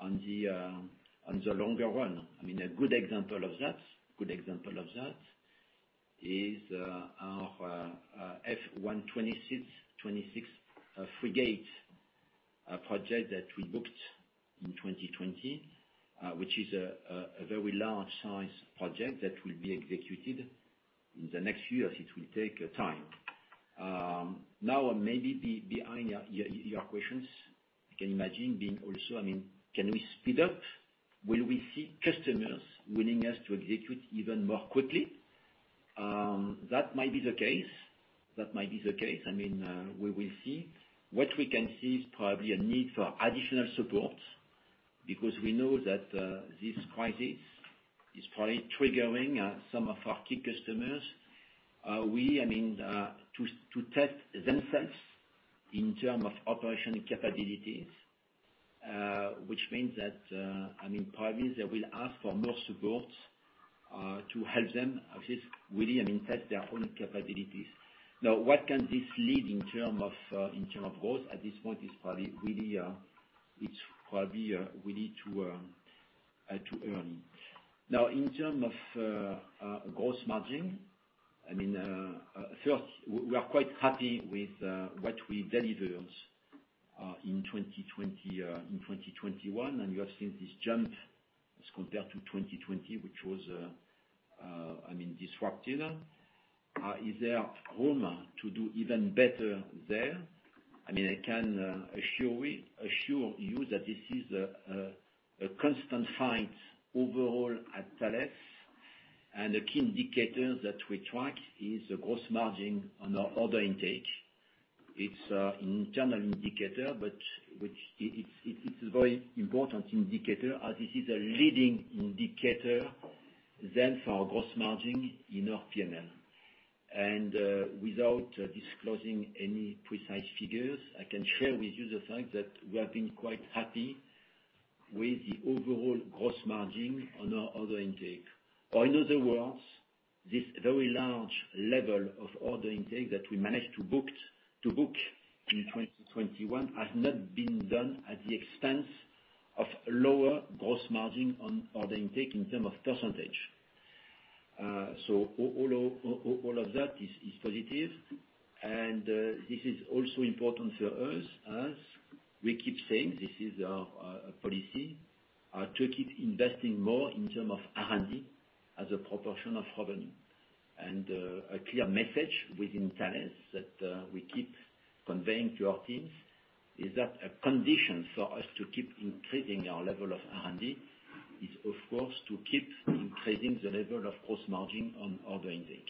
on the longer run. I mean, a good example of that is our F126 frigate project that we booked in 2020, which is a very large size project that will be executed in the next years. It will take time. Now maybe behind your questions, you can imagine being also, I mean, can we speed up? Will we see customers wanting us to execute even more quickly? That might be the case. I mean, we will see. What we can see is probably a need for additional support because we know that this crisis is probably triggering some of our key customers to test themselves in terms of operational capabilities, which means that, I mean, probably they will ask for more support to help them test their own capabilities. Now, what can this lead to in terms of growth at this point is probably really too early. Now, in terms of gross margin, I mean, first, we are quite happy with what we delivered in 2020 in 2021, and you have seen this jump as compared to 2020, which was, I mean, disrupted. Is there room to do even better there? I mean, I can assure you that this is a constant fight overall at Thales. A key indicator that we track is the gross margin on our order intake. It's an internal indicator, but it is a very important indicator as this is a leading indicator then for our gross margin in our P&L. Without disclosing any precise figures, I can share with you the fact that we have been quite happy with the overall gross margin on our order intake. In other words, this very large level of order intake that we managed to book in 2021 has not been done at the expense of lower gross margin on order intake in terms of percentage. All of that is positive. This is also important for us, as we keep saying. This is our policy to keep investing more in terms of R&D as a proportion of revenue. A clear message within Thales that we keep conveying to our teams is that a condition for us to keep increasing our level of R&D is of course to keep increasing the level of gross margin on order intake.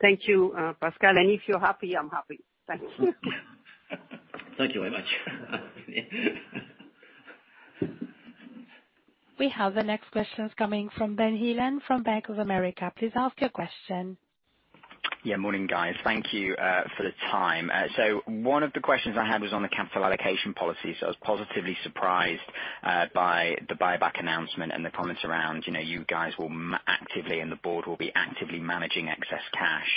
Thank you, Pascal. If you're happy, I'm happy. Thank you. Thank you very much. We have the next questions coming from Benjamin Heelan from Bank of America. Please ask your question. Morning, guys. Thank you for the time. One of the questions I had was on the capital allocation policy. I was positively surprised by the buyback announcement and the comments around, you know, you guys will actively and the board will be actively managing excess cash.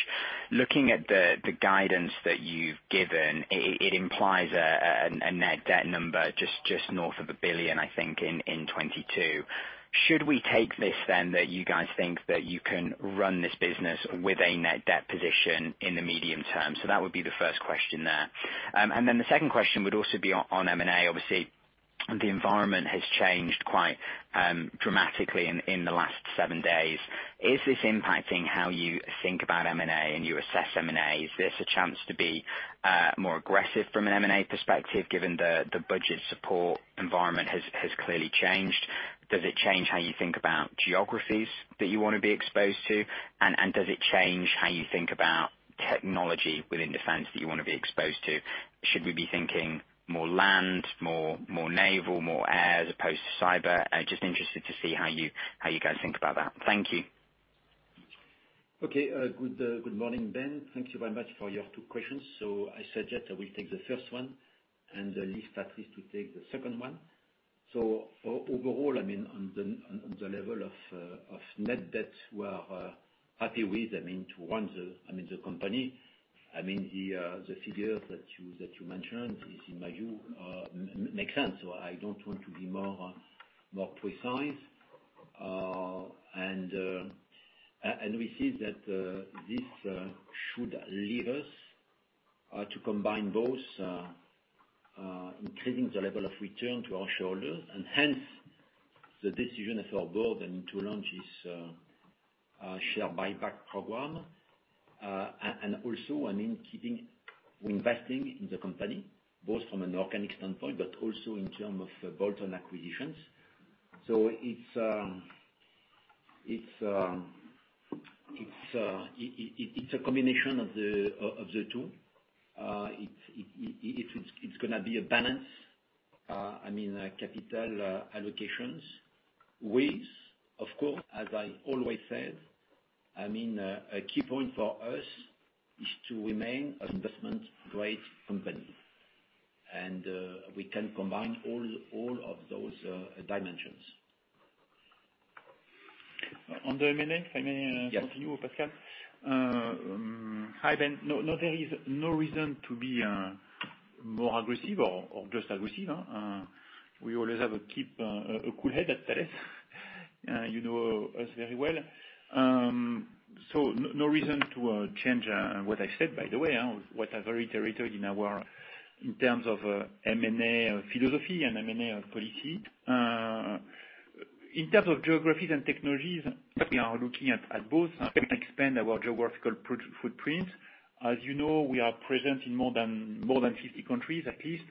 Looking at the guidance that you've given, it implies a net debt number just north of 1 billion, I think, in 2022. Should we take this then that you guys think that you can run this business with a net debt position in the medium term? That would be the first question there. The second question would also be on M&A. Obviously, the environment has changed quite dramatically in the last seven days. Is this impacting how you think about M&A and you assess M&A? Is this a chance to be more aggressive from an M&A perspective given the budget support environment has clearly changed? Does it change how you think about geographies that you wanna be exposed to? And does it change how you think about technology within defense that you wanna be exposed to? Should we be thinking more land, more naval, more air as opposed to cyber? Just interested to see how you guys think about that. Thank you. Okay. Good morning, Ben. Thank you very much for your two questions. I suggest I will take the first one, and Elise perhaps to take the second one. Overall, I mean, on the level of net debt, we are happy with, I mean, to run the company. I mean, the figure that you mentioned is, in my view, makes sense. I don't want to be more precise. And we see that this should lead us to combine both increasing the level of return to our shareholders, and hence the decision of our board and to launch this share buyback program. I mean, investing in the company, both from an organic standpoint, but also in terms of bolt-on acquisitions. It's a combination of the two. It's gonna be a balance. I mean, capital allocations. We, of course, as I always said, I mean, a key point for us is to remain investment-grade company. We can combine all of those dimensions. On the M&A, if I may, continue, Pascal? Yes. Hi, Ben. No, there is no reason to be more aggressive or just aggressive. We always keep a cool head at Thales. You know us very well. So no reason to change what I said, by the way. What I've already iterated in terms of M&A philosophy and M&A policy. In terms of geographies and technologies, we are looking at both, expand our geographical footprint. As you know, we are present in more than 50 countries at least.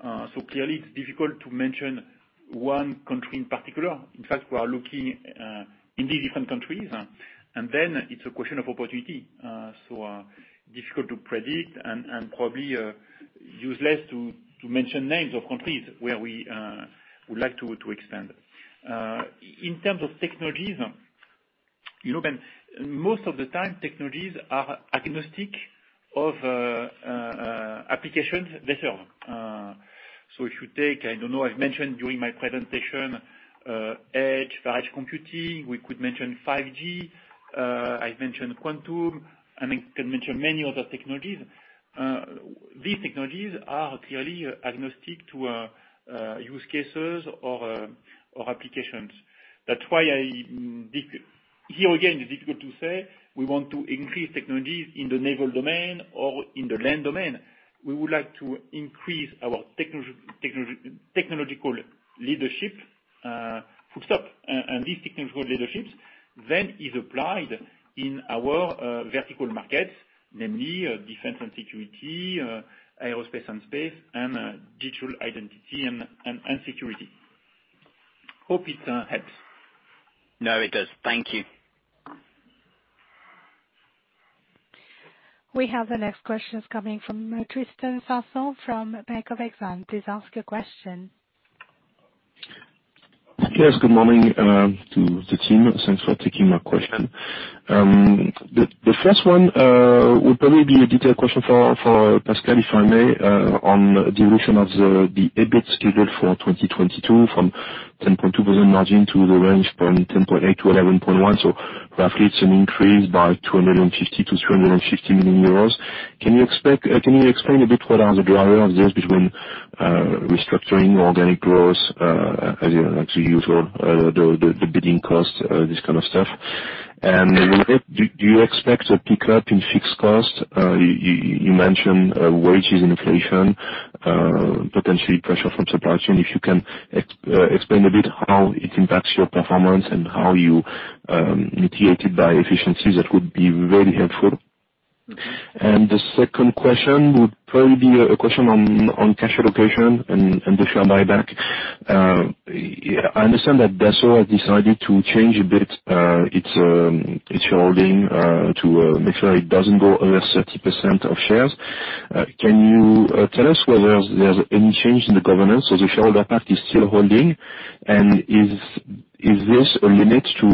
So clearly it's difficult to mention one country in particular. In fact, we are looking in these different countries, and then it's a question of opportunity. Difficult to predict and probably useless to mention names of countries where we would like to expand. In terms of technologies, you know, Ben, most of the time technologies are agnostic of applications they serve. If you take, I don't know, I've mentioned during my presentation, edge computing, we could mention 5G. I've mentioned quantum, and I can mention many other technologies. These technologies are clearly agnostic to use cases or applications. That's why here again, it's difficult to say we want to increase technologies in the naval domain or in the land domain. We would like to increase our technological leadership, full stop. These technological leaderships then is applied in our vertical markets, namely, defense and security, aerospace and space, and digital identity and security. Hope it helps. No, it does. Thank you. We have the next question is coming from Tristan Sanson from Exane BNP Paribas. Please ask your question. Yes, good morning to the team. Thanks for taking my question. The first one will probably be a detailed question for Pascal, if I may, on duration of the EBIT schedule for 2022 from 10.2% margin to the range from 10.8% to 11.1%. So roughly it's an increase by 50 million-250 million euros. Can you explain a bit what are the drivers there between restructuring, organic growth, as you actually use for the bidding costs, this kind of stuff? And do you expect a pickup in fixed costs? You mentioned wages and inflation, potential pressure from supply chain. If you can explain a bit how it impacts your performance and how you mitigate it by efficiencies, that would be very helpful. The second question would probably be a question on cash allocation and the share buyback. I understand that Dassault has decided to change a bit its holding to make sure it doesn't go over 30% of shares. Can you tell us whether there's any change in the governance or the shareholder pact is still holding? Is this a limit to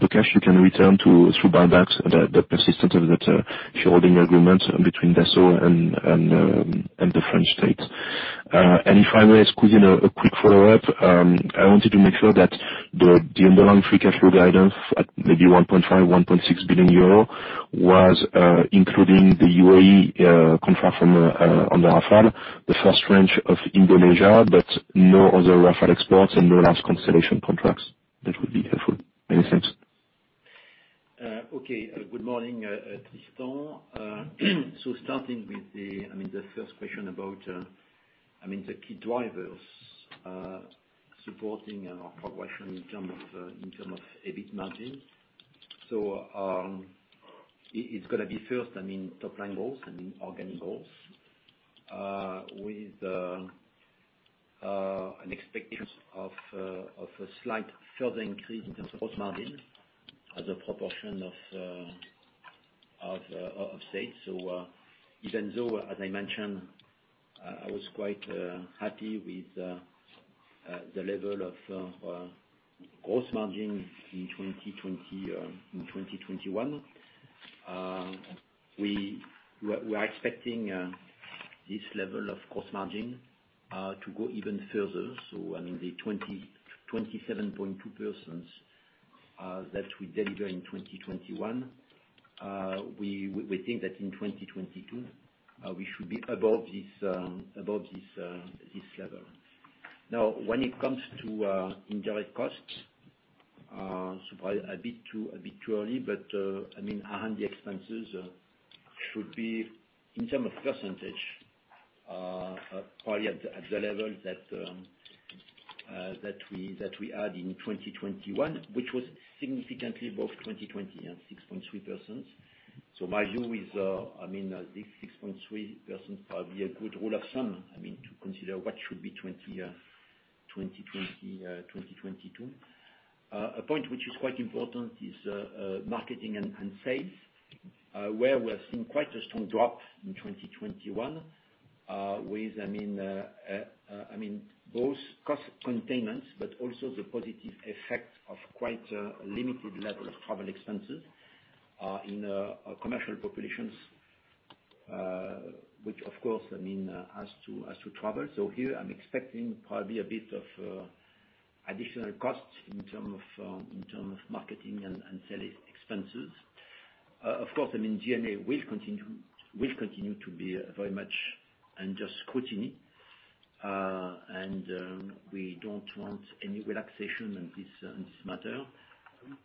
the cash you can return to through buybacks, the persistence of that shareholding agreement between Dassault and the French state? If I may squeeze in a quick follow-up, I wanted to make sure that the underlying free cash flow guidance at maybe 1.5-1.6 billion euro was including the UAE contract from on the Rafale, the first tranche of Indonesia, but no other Rafale exports and no large constellation contracts. That would be helpful. Many thanks. Okay. Good morning, Tristan. Starting with the, I mean, the first question about, I mean, the key drivers supporting our progression in terms of EBIT margin. It's gonna be first, I mean, top-line growth and organic growth, with an expectation of a slight further increase in terms of gross margin as a proportion of sales. Even though, as I mentioned, I was quite happy with the level of gross margin in 2020, in 2021, we're expecting this level of gross margin to go even further. I mean, the 27.2% that we deliver in 2021, we think that in 2022, we should be above this level. Now, when it comes to indirect costs, a bit too early, but I mean, R&D expenses should be, in terms of percentage, probably at the level that we had in 2021, which was significantly above 2020 and 6.3%. My view is, I mean, this 6.3% is probably a good rule of thumb, I mean, to consider what should be 2022. A point which is quite important is marketing and sales, where we have seen quite a strong drop in 2021, I mean, with both cost containment, but also the positive effect of quite a limited level of travel expenses in commercial operations, which of course, I mean, has to travel. Here, I'm expecting probably a bit of additional costs in terms of marketing and selling expenses. Of course, I mean, G&A will continue to be very much under scrutiny, and we don't want any relaxation on this matter.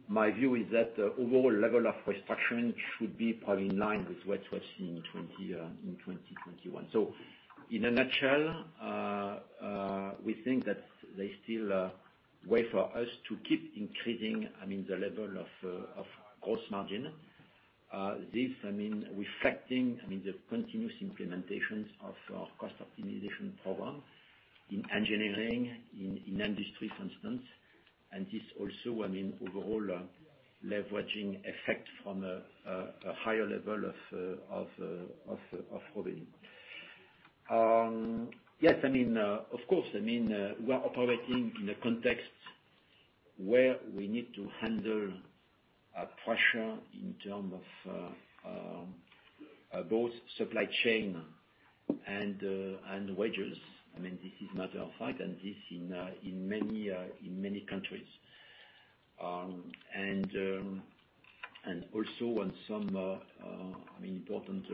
My view is that the overall level of restructuring should be probably in line with what we have seen in 2020 in 2021. In a nutshell, we think that there's still a way for us to keep increasing, I mean, the level of gross margin. This, I mean, reflecting, I mean, the continuous implementations of our cost optimization program in engineering, in industry, for instance. This also, I mean, overall, leveraging effect from a higher level of revenue. Yes, I mean, of course, I mean, we are operating in a context where we need to handle a pressure in terms of both supply chain and wages. I mean, this is matter of fact, and this in many countries. I mean, important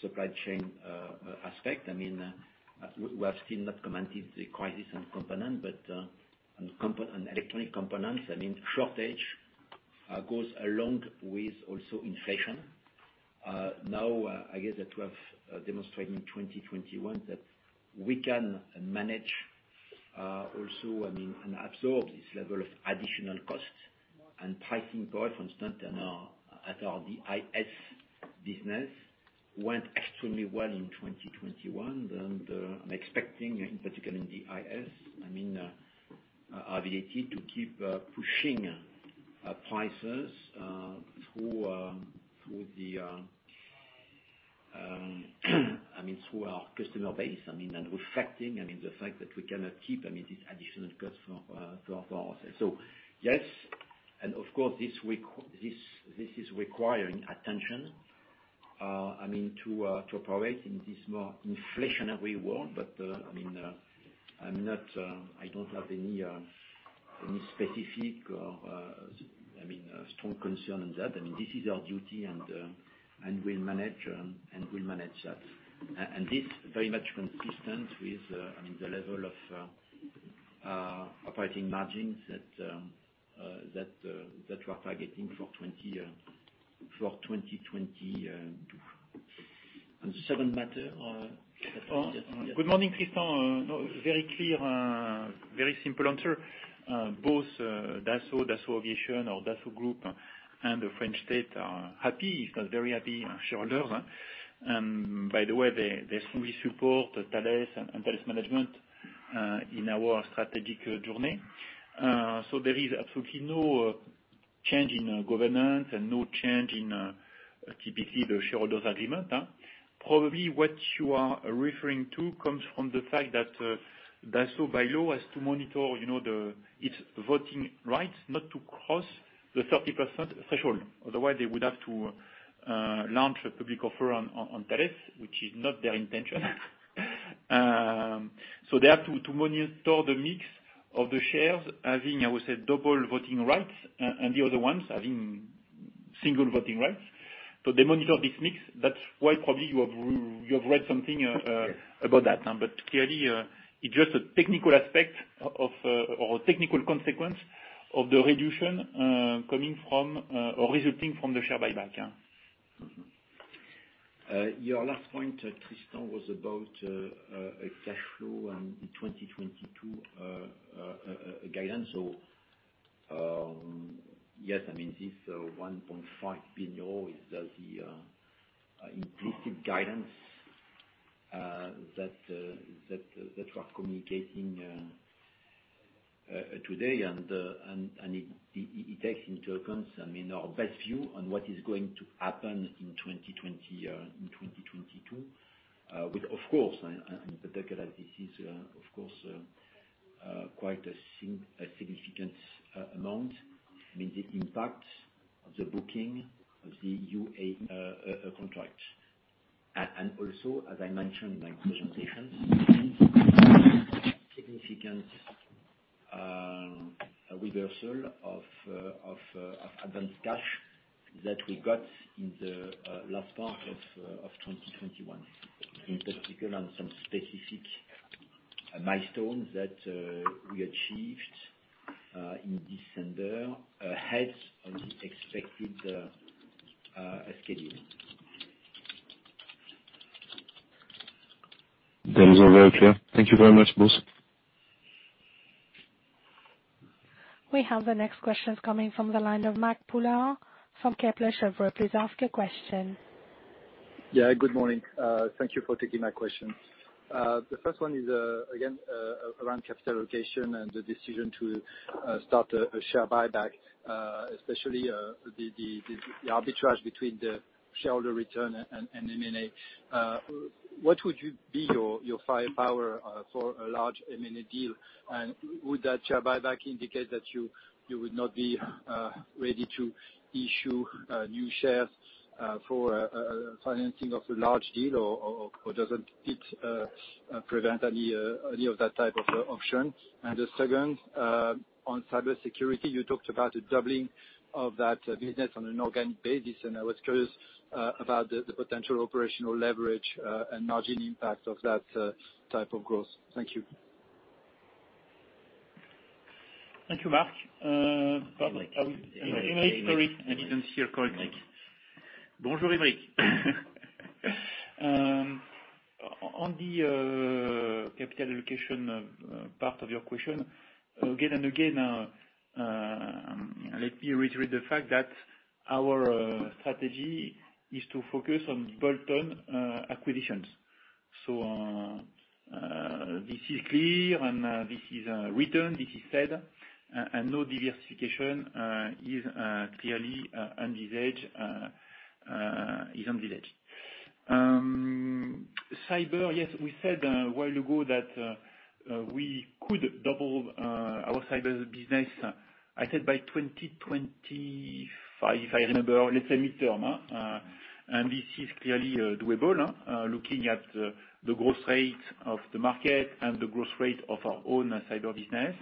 supply chain aspect, I mean, we have still not commented the crisis on component, but on electronic components, I mean, shortage goes along with also inflation. Now, I guess that we have demonstrated in 2021 that we can manage also, I mean, and absorb this level of additional costs. Pricing power, for instance, at our DIS business went extremely well in 2021. I'm expecting, in particular in DIS, I mean, our ability to keep pushing prices through our customer base. I mean, reflecting the fact that we cannot keep these additional costs for ourselves. Yes, of course, this is requiring attention. I mean, to operate in this more inflationary world. I mean, I'm not, I don't have any specific or strong concern on that. I mean, this is our duty and we'll manage that. This very much consistent with the level of operating margins that we're targeting for 2022. On the second matter, Good morning, Tristan. No, very clear, very simple answer. Both Dassault Aviation or Dassault Group and the French state are happy. It's not very happy shareholders. By the way, they strongly support Thales and Thales management in our strategic journey. There is absolutely no change in governance and no change in the typical shareholders agreement. Probably what you are referring to comes from the fact that Dassault by law has to monitor its voting rights not to cross the 30% threshold. Otherwise, they would have to launch a public offer on Thales, which is not their intention. They have to monitor the mix of the shares having, I would say, double voting rights and the other ones having single voting rights. They monitor this mix. That's why probably you have read something about that. Clearly, it's just a technical aspect of or a technical consequence of the reduction coming from or resulting from the share buyback. Yeah. Your last point, Tristan, was about a cash flow and the 2022 guidance. Yes, I mean, this 1.5 billion euro is the implicit guidance that we're communicating today. It takes into account, I mean, our best view on what is going to happen in 2020 in 2022, with, of course, in particular, quite a significant amount. I mean, the impact of the booking of the UAV contract. Also, as I mentioned in my presentation, significant reversal of advanced cash that we got in the last part of 2021, in particular on some specific milestones that we achieved in December ahead of the expected schedule. That is all very clear. Thank you very much, boss. We have the next questions coming from the line of Aymeric Poulain from Kepler Cheuvreux. Please ask your question. Yeah. Good morning. Thank you for taking my question. The first one is, again, around capital allocation and the decision to start a share buyback, especially, the arbitrage between the shareholder return and M&A. What would be your firepower for a large M&A deal? Would that share buyback indicate that you would not be ready to issue new shares for financing of a large deal or doesn't it prevent any of that type of option? The second, on cybersecurity, you talked about the doubling of that business on an organic basis, and I was curious about the potential operational leverage and margin impact of that type of growth. Thank you. Thank you, Aymeric. Aymeric. Aymeric, sorry. I didn't see your comment. Bonjour, Aymeric. On the capital allocation part of your question, again and again, let me reiterate the fact that our strategy is to focus on bolt-on acquisitions. This is clear, and this is written, this is said, and no diversification is clearly envisaged. Cyber, yes, we said a while ago that we could double our cyber business, I think by 2025, if I remember. Let's say midterm, and this is clearly doable, looking at the growth rate of the market and the growth rate of our own cyber business.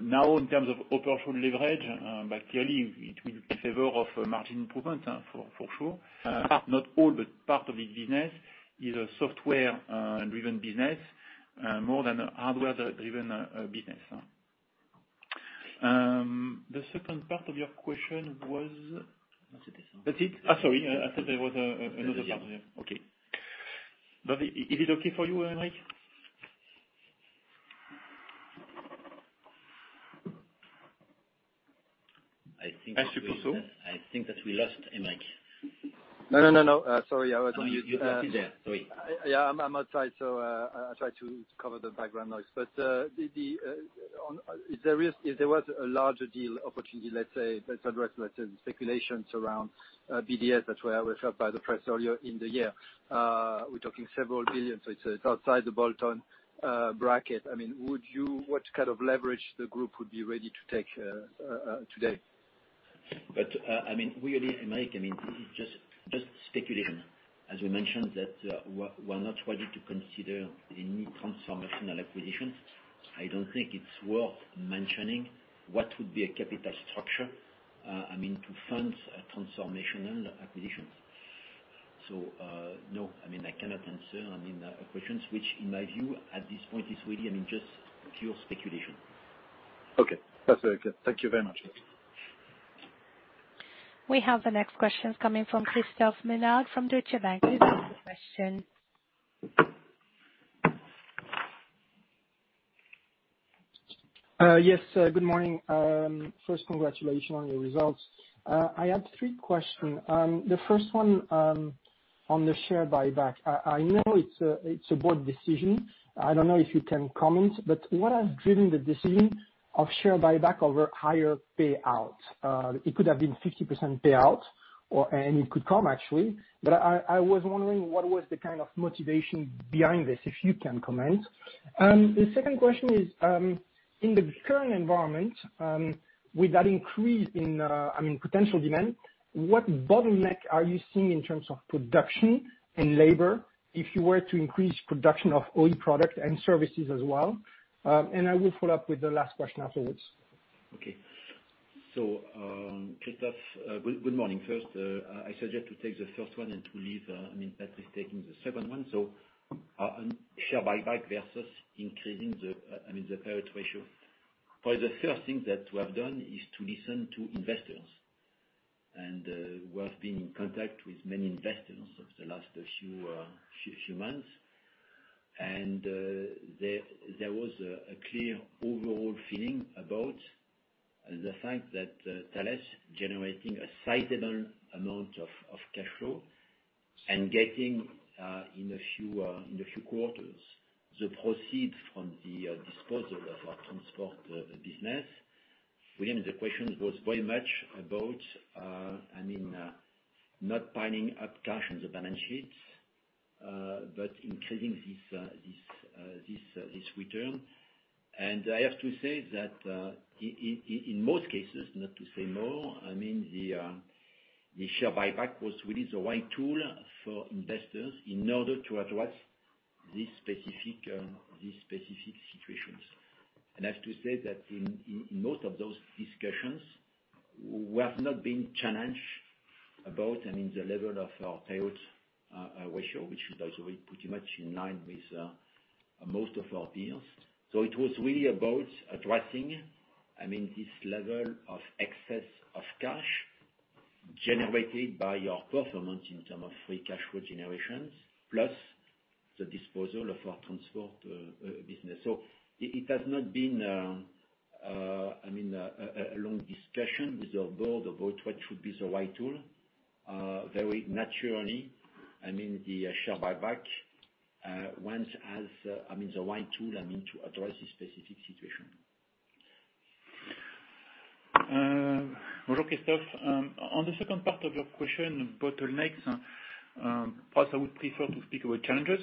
Now, in terms of operational leverage, clearly it will be in favor of margin improvement, for sure. Not all, but part of the business is a software driven business more than a hardware driven business. The second part of your question was That's it. That's it? Oh, sorry, I thought there was another part there. Yeah. Okay. Is it okay for you, Aymeric? I think that we lost. I think so. I think that we lost Aymeric. No, no, no. Sorry. I was on. No, you're still there. Sorry. Yeah, I'm outside, so I try to cover the background noise. If there was a larger deal opportunity, let's say, that addressed, let's say, the speculations around BDS, that were felt by the press earlier in the year, we're talking several billion EUR, so it's outside the bolt-on bracket. I mean, what kind of leverage the group would be ready to take today? I mean, really, Aymeric, I mean, just speculation. As we mentioned that we're not ready to consider any transformational acquisition. I don't think it's worth mentioning what would be a capital structure, I mean, to fund a transformational acquisition. No, I mean, I cannot answer, I mean, questions, which in my view, at this point is really, I mean, just pure speculation. Okay. That's very clear. Thank you very much. We have the next question coming from Christophe Ménard, from Deutsche Bank. Please pop the question. Yes, good morning. First, congratulations on your results. I have three questions. The first one, on the share buyback. I know it's a board decision. I don't know if you can comment, but what has driven the decision of share buyback over higher payout? It could have been 50% payout or, and it could come actually. I was wondering what was the kind of motivation behind this, if you can comment. The second question is, in the current environment, with that increase in, I mean, potential demand, what bottleneck are you seeing in terms of production and labor if you were to increase production of all products and services as well? And I will follow up with the last question afterwards. Okay. Christophe, good morning. First, I suggest to take the first one and to leave, I mean, Patrice's taking the second one. On share buyback versus increasing the, I mean, the payout ratio. For the first thing that we have done is to listen to investors. We have been in contact with many investors over the last few months. There was a clear overall feeling about the fact that Thales generating a sizable amount of cash flow and getting in a few quarters, the proceeds from the disposal of our transport business. Really, the question was very much about, I mean, not piling up cash on the balance sheets, but increasing this return. I have to say that in most cases, not to say more, I mean, the share buyback was really the right tool for investors in order to address these specific situations. I have to say that in most of those discussions, we have not been challenged about, I mean, the level of our payout ratio, which is also pretty much in line with most of our peers. It was really about addressing, I mean, this level of excess cash generated by our performance in term of free cash flow generations, plus the disposal of our transport business. It has not been, I mean, a long discussion with our board about what should be the right tool. Very naturally, I mean, the share buyback I mean, the right tool, I mean, to address this specific situation. Okay, Steph. On the second part of your question, bottlenecks. First I would prefer to speak about challenges.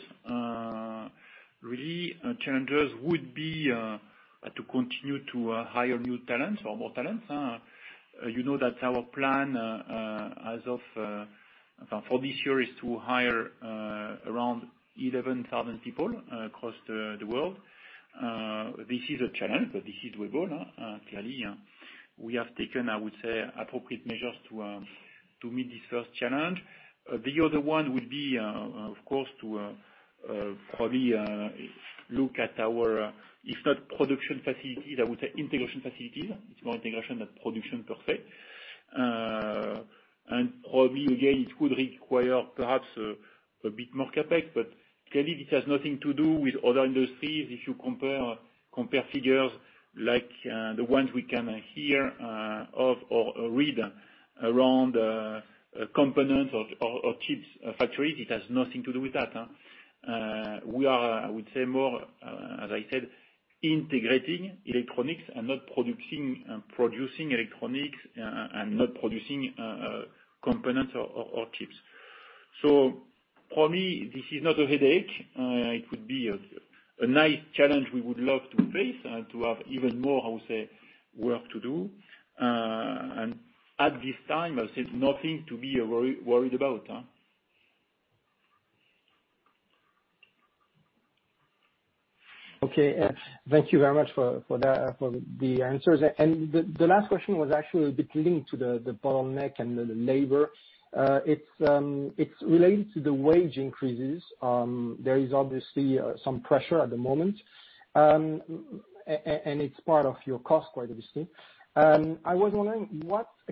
Really, challenges would be to continue to hire new talents or more talents. You know that our plan as of for this year is to hire around 11,000 people across the world. This is a challenge, but this is doable, clearly. We have taken, I would say, appropriate measures to meet this first challenge. The other one would be, of course, to probably look at our, if not production facilities, I would say integration facilities. It's more integration than production per se. For me, again, it could require perhaps a bit more CapEx, but clearly this has nothing to do with other industries. If you compare figures like the ones we can hear of or read around components of chips factories, it has nothing to do with that. We are, I would say more, as I said, integrating electronics and not producing electronics and not producing components or chips. For me, this is not a headache. It could be a nice challenge we would love to face and to have even more, I would say, work to do. At this time, as I said, nothing to be worried about. Okay. Thank you very much for that, for the answers. The last question was actually a bit linked to the bottleneck and the labor. It's related to the wage increases. There is obviously some pressure at the moment, and it's part of your cost quite obviously. I was wondering,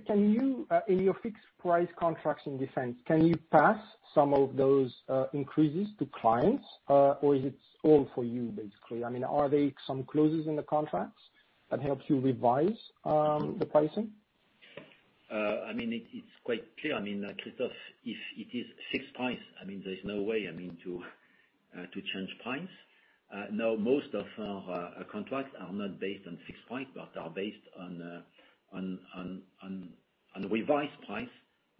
in your fixed price contracts in defense, can you pass some of those increases to clients, or is it all for you basically? I mean, are there some clauses in the contracts that helps you revise the pricing? I mean, it's quite clear. I mean, Christophe, if it is fixed price, I mean, there's no way, I mean, to change price. Now, most of our contracts are not based on fixed price, but are based on revised price,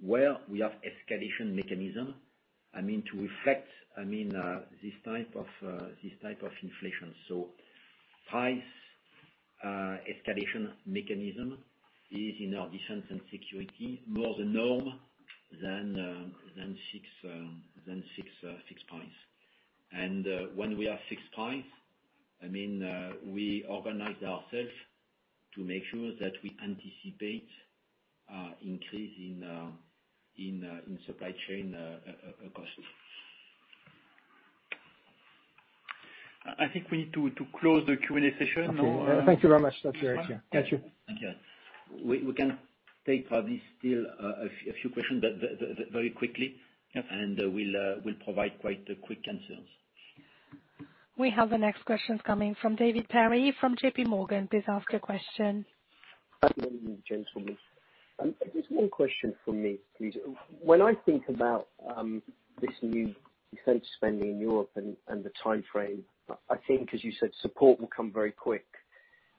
where we have escalation mechanism, I mean, to reflect this type of inflation. So price escalation mechanism is in our defense and security more the norm than fixed price. When we have fixed price, I mean, we organize ourself to make sure that we anticipate increase in supply chain costs. I think we need to close the Q&A session. Okay. Thank you very much. That's very clear. Thank you. Thank you. We can take probably still a few questions, but very quickly. Yep. We'll provide quite quick answers. We have the next questions coming from David Perry from JPMorgan. Please ask your question. Good morning, gentlemen. Just one question from me, please. When I think about this new defense spending in Europe and the timeframe, I think as you said, support will come very quick,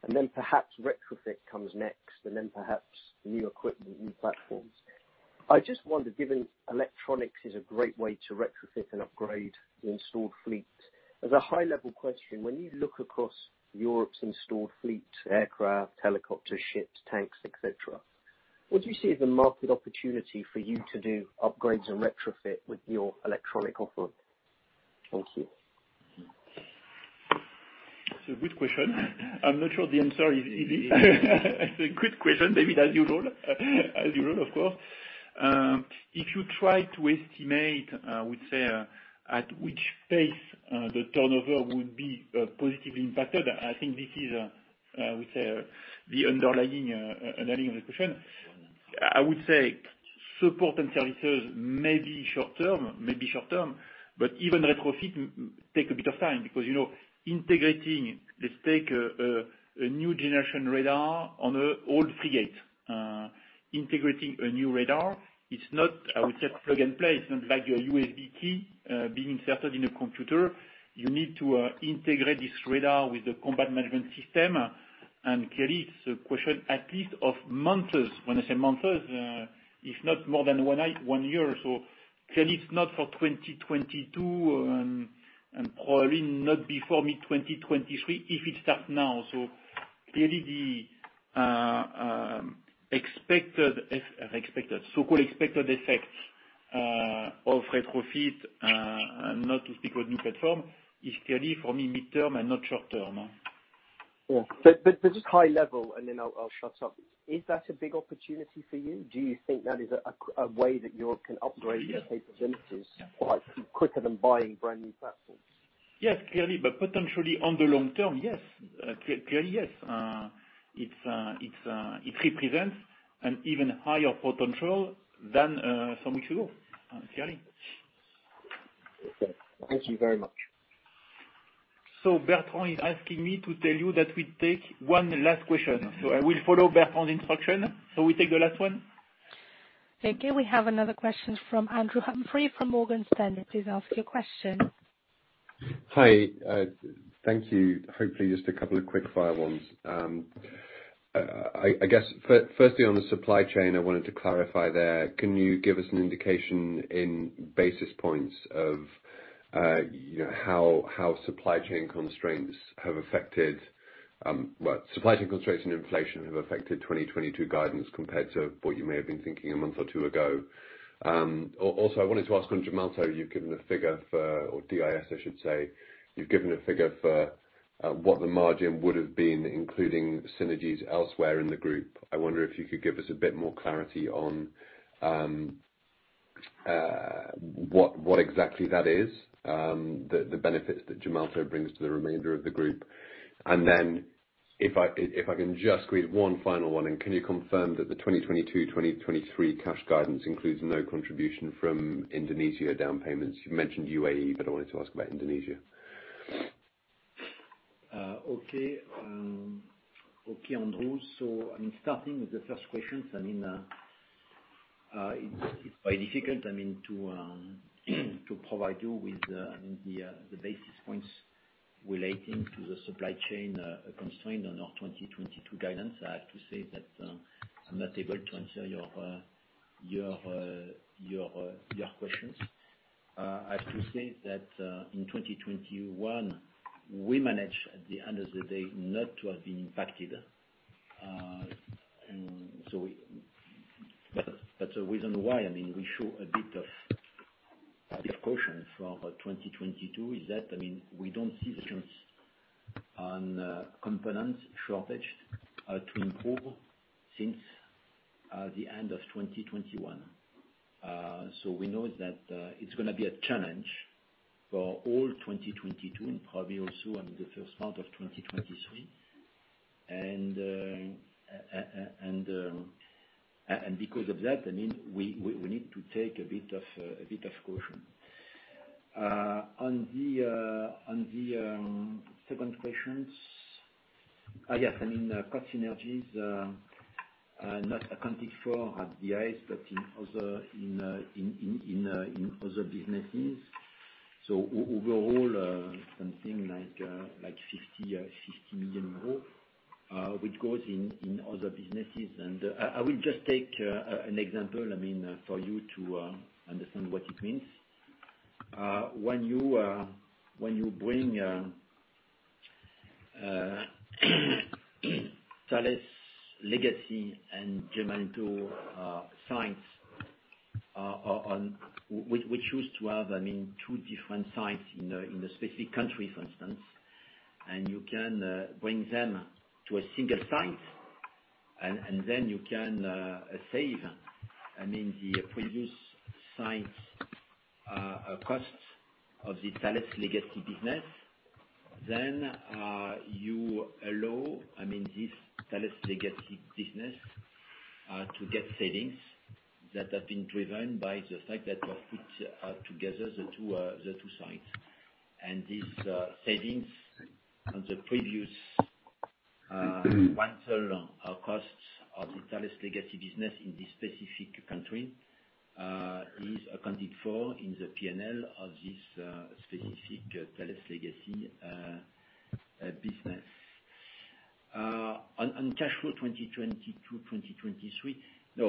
and then perhaps retrofit comes next, and then perhaps new equipment, new platforms. I just wonder, given electronics is a great way to retrofit and upgrade the installed fleet, as a high-level question, when you look across Europe's installed fleet, aircraft, helicopters, ships, tanks, etc., what do you see as a market opportunity for you to do upgrades and retrofit with your electronic offer? Thank you. It's a good question. I'm not sure the answer is easy. It's a good question, David, as usual. As usual, of course. If you try to estimate, we say at which pace the turnover would be positively impacted, I think this is we say the underlying of the question. I would say support and services may be short term, but even retrofit take a bit of time because, you know, integrating, let's take a new generation radar on an old frigate. Integrating a new radar, it's not, I would say plug and play. It's not like your USB key being inserted in a computer. You need to integrate this radar with the combat management system. Clearly it's a question at least of months. When I say months, if not more than one year. Clearly it's not for 2022 and probably not before mid-2023, if it starts now. Clearly the so-called expected effect of retrofit, not to speak of new platform, is clearly for me mid-term and not short term. Yeah. Just high level, and then I'll shut up. Is that a big opportunity for you? Do you think that is a way that you can upgrade your capabilities, like quicker than buying brand-new platforms? Yes, clearly, but potentially on the long term, yes. Clearly, yes. It represents an even higher potential than some weeks ago, clearly. Okay. Thank you very much. Bertrand is asking me to tell you that we take one last question. I will follow Bertrand's instruction, so we take the last one. Thank you. We have another question from Andrew Humphrey from Morgan Stanley. Please ask your question. Hi, thank you. Hopefully, just a couple of quick-fire ones. Firstly on the supply chain, I wanted to clarify there. Can you give us an indication in basis points of how supply chain constraints and inflation have affected 2022 guidance compared to what you may have been thinking a month or two ago? Also, I wanted to ask on Gemalto. You've given a figure for, or DIS I should say, what the margin would've been including synergies elsewhere in the group. I wonder if you could give us a bit more clarity on what exactly that is, the benefits that Gemalto brings to the remainder of the group. If I can just squeeze one final one in. Can you confirm that the 2022-2023 cash guidance includes no contribution from Indonesia down payments? You mentioned UAE, but I wanted to ask about Indonesia. Okay, Andrew. Starting with the first questions, I mean, it's very difficult, I mean, to provide you with the basis points relating to the supply chain constraint on our 2022 guidance. I have to say that I'm not able to answer your questions. I have to say that in 2021, we managed, at the end of the day, not to have been impacted. That's the reason why, I mean, we show a bit of caution for 2022 is that, I mean, we don't see the trends on components shortage to improve since the end of 2021. We know that it's gonna be a challenge for all 2022 and probably also on the first part of 2023. Because of that, I mean, we need to take a bit of caution. On the second questions. Yes, I mean, cost synergies are not accounted for at DIS but in other businesses. Overall, something like EUR 50 million, which goes in other businesses. I will just take an example, I mean, for you to understand what it means. When you bring Thales legacy and Gemalto sites, which used to have, I mean, two different sites in a specific country, for instance. You can bring them to a single site and then you can save, I mean, the previous site's costs of the Thales legacy business. You allow, I mean, this Thales legacy business to get savings that have been driven by the fact that we put together the two sites. These savings on the previous costs of the Thales legacy business in this specific country is accounted for in the P&L of this specific Thales legacy business. On cash flow 2020 to 2023.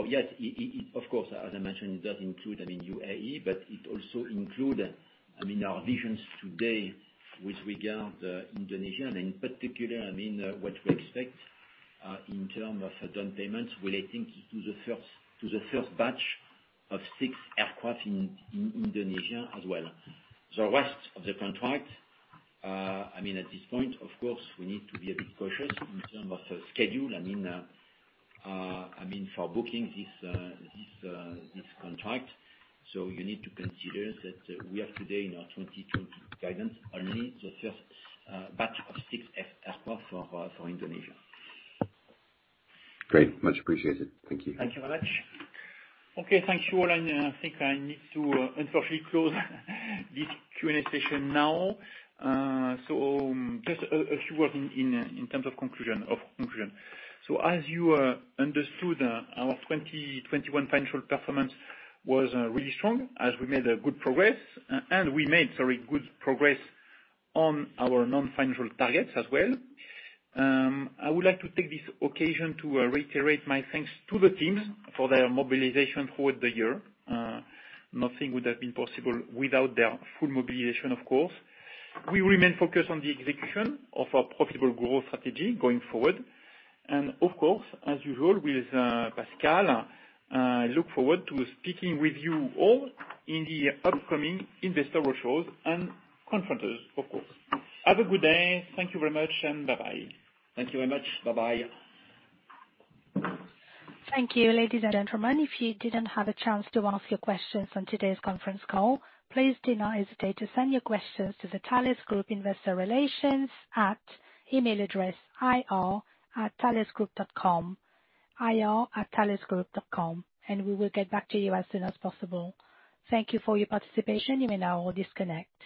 Yes, of course, as I mentioned, it does include, I mean, UAE, but it also includes our version today with regard to Indonesia and in particular, I mean, what we expect in terms of down payments relating to the first batch of 6 aircraft in Indonesia as well. The rest of the contract, I mean, at this point, of course, we need to be a bit cautious in terms of the schedule, I mean, for booking this contract. You need to consider that we have today in our 2022 guidance only the first batch of 6 fighter aircraft for Indonesia. Great. Much appreciated. Thank you. Thank you very much. Okay. Thank you all. I think I need to unfortunately close this Q&A session now. Just a few words in terms of conclusion. As you understood, our 2021 financial performance was really strong as we made a good progress. We made very good progress on our non-financial targets as well. I would like to take this occasion to reiterate my thanks to the teams for their mobilization throughout the year. Nothing would have been possible without their full mobilization, of course. We remain focused on the execution of our profitable growth strategy going forward. Of course, as usual with Pascal, look forward to speaking with you all in the upcoming investor roadshows and conferences, of course. Have a good day. Thank you very much, and bye-bye. Thank you very much. Bye-bye. Thank you. Ladies and gentlemen, if you didn't have a chance to ask your questions on today's conference call, please do not hesitate to send your questions to the Thales Group Investor Relations at email address ir@thalesgroup.com, and we will get back to you as soon as possible. Thank you for your participation. You may now disconnect.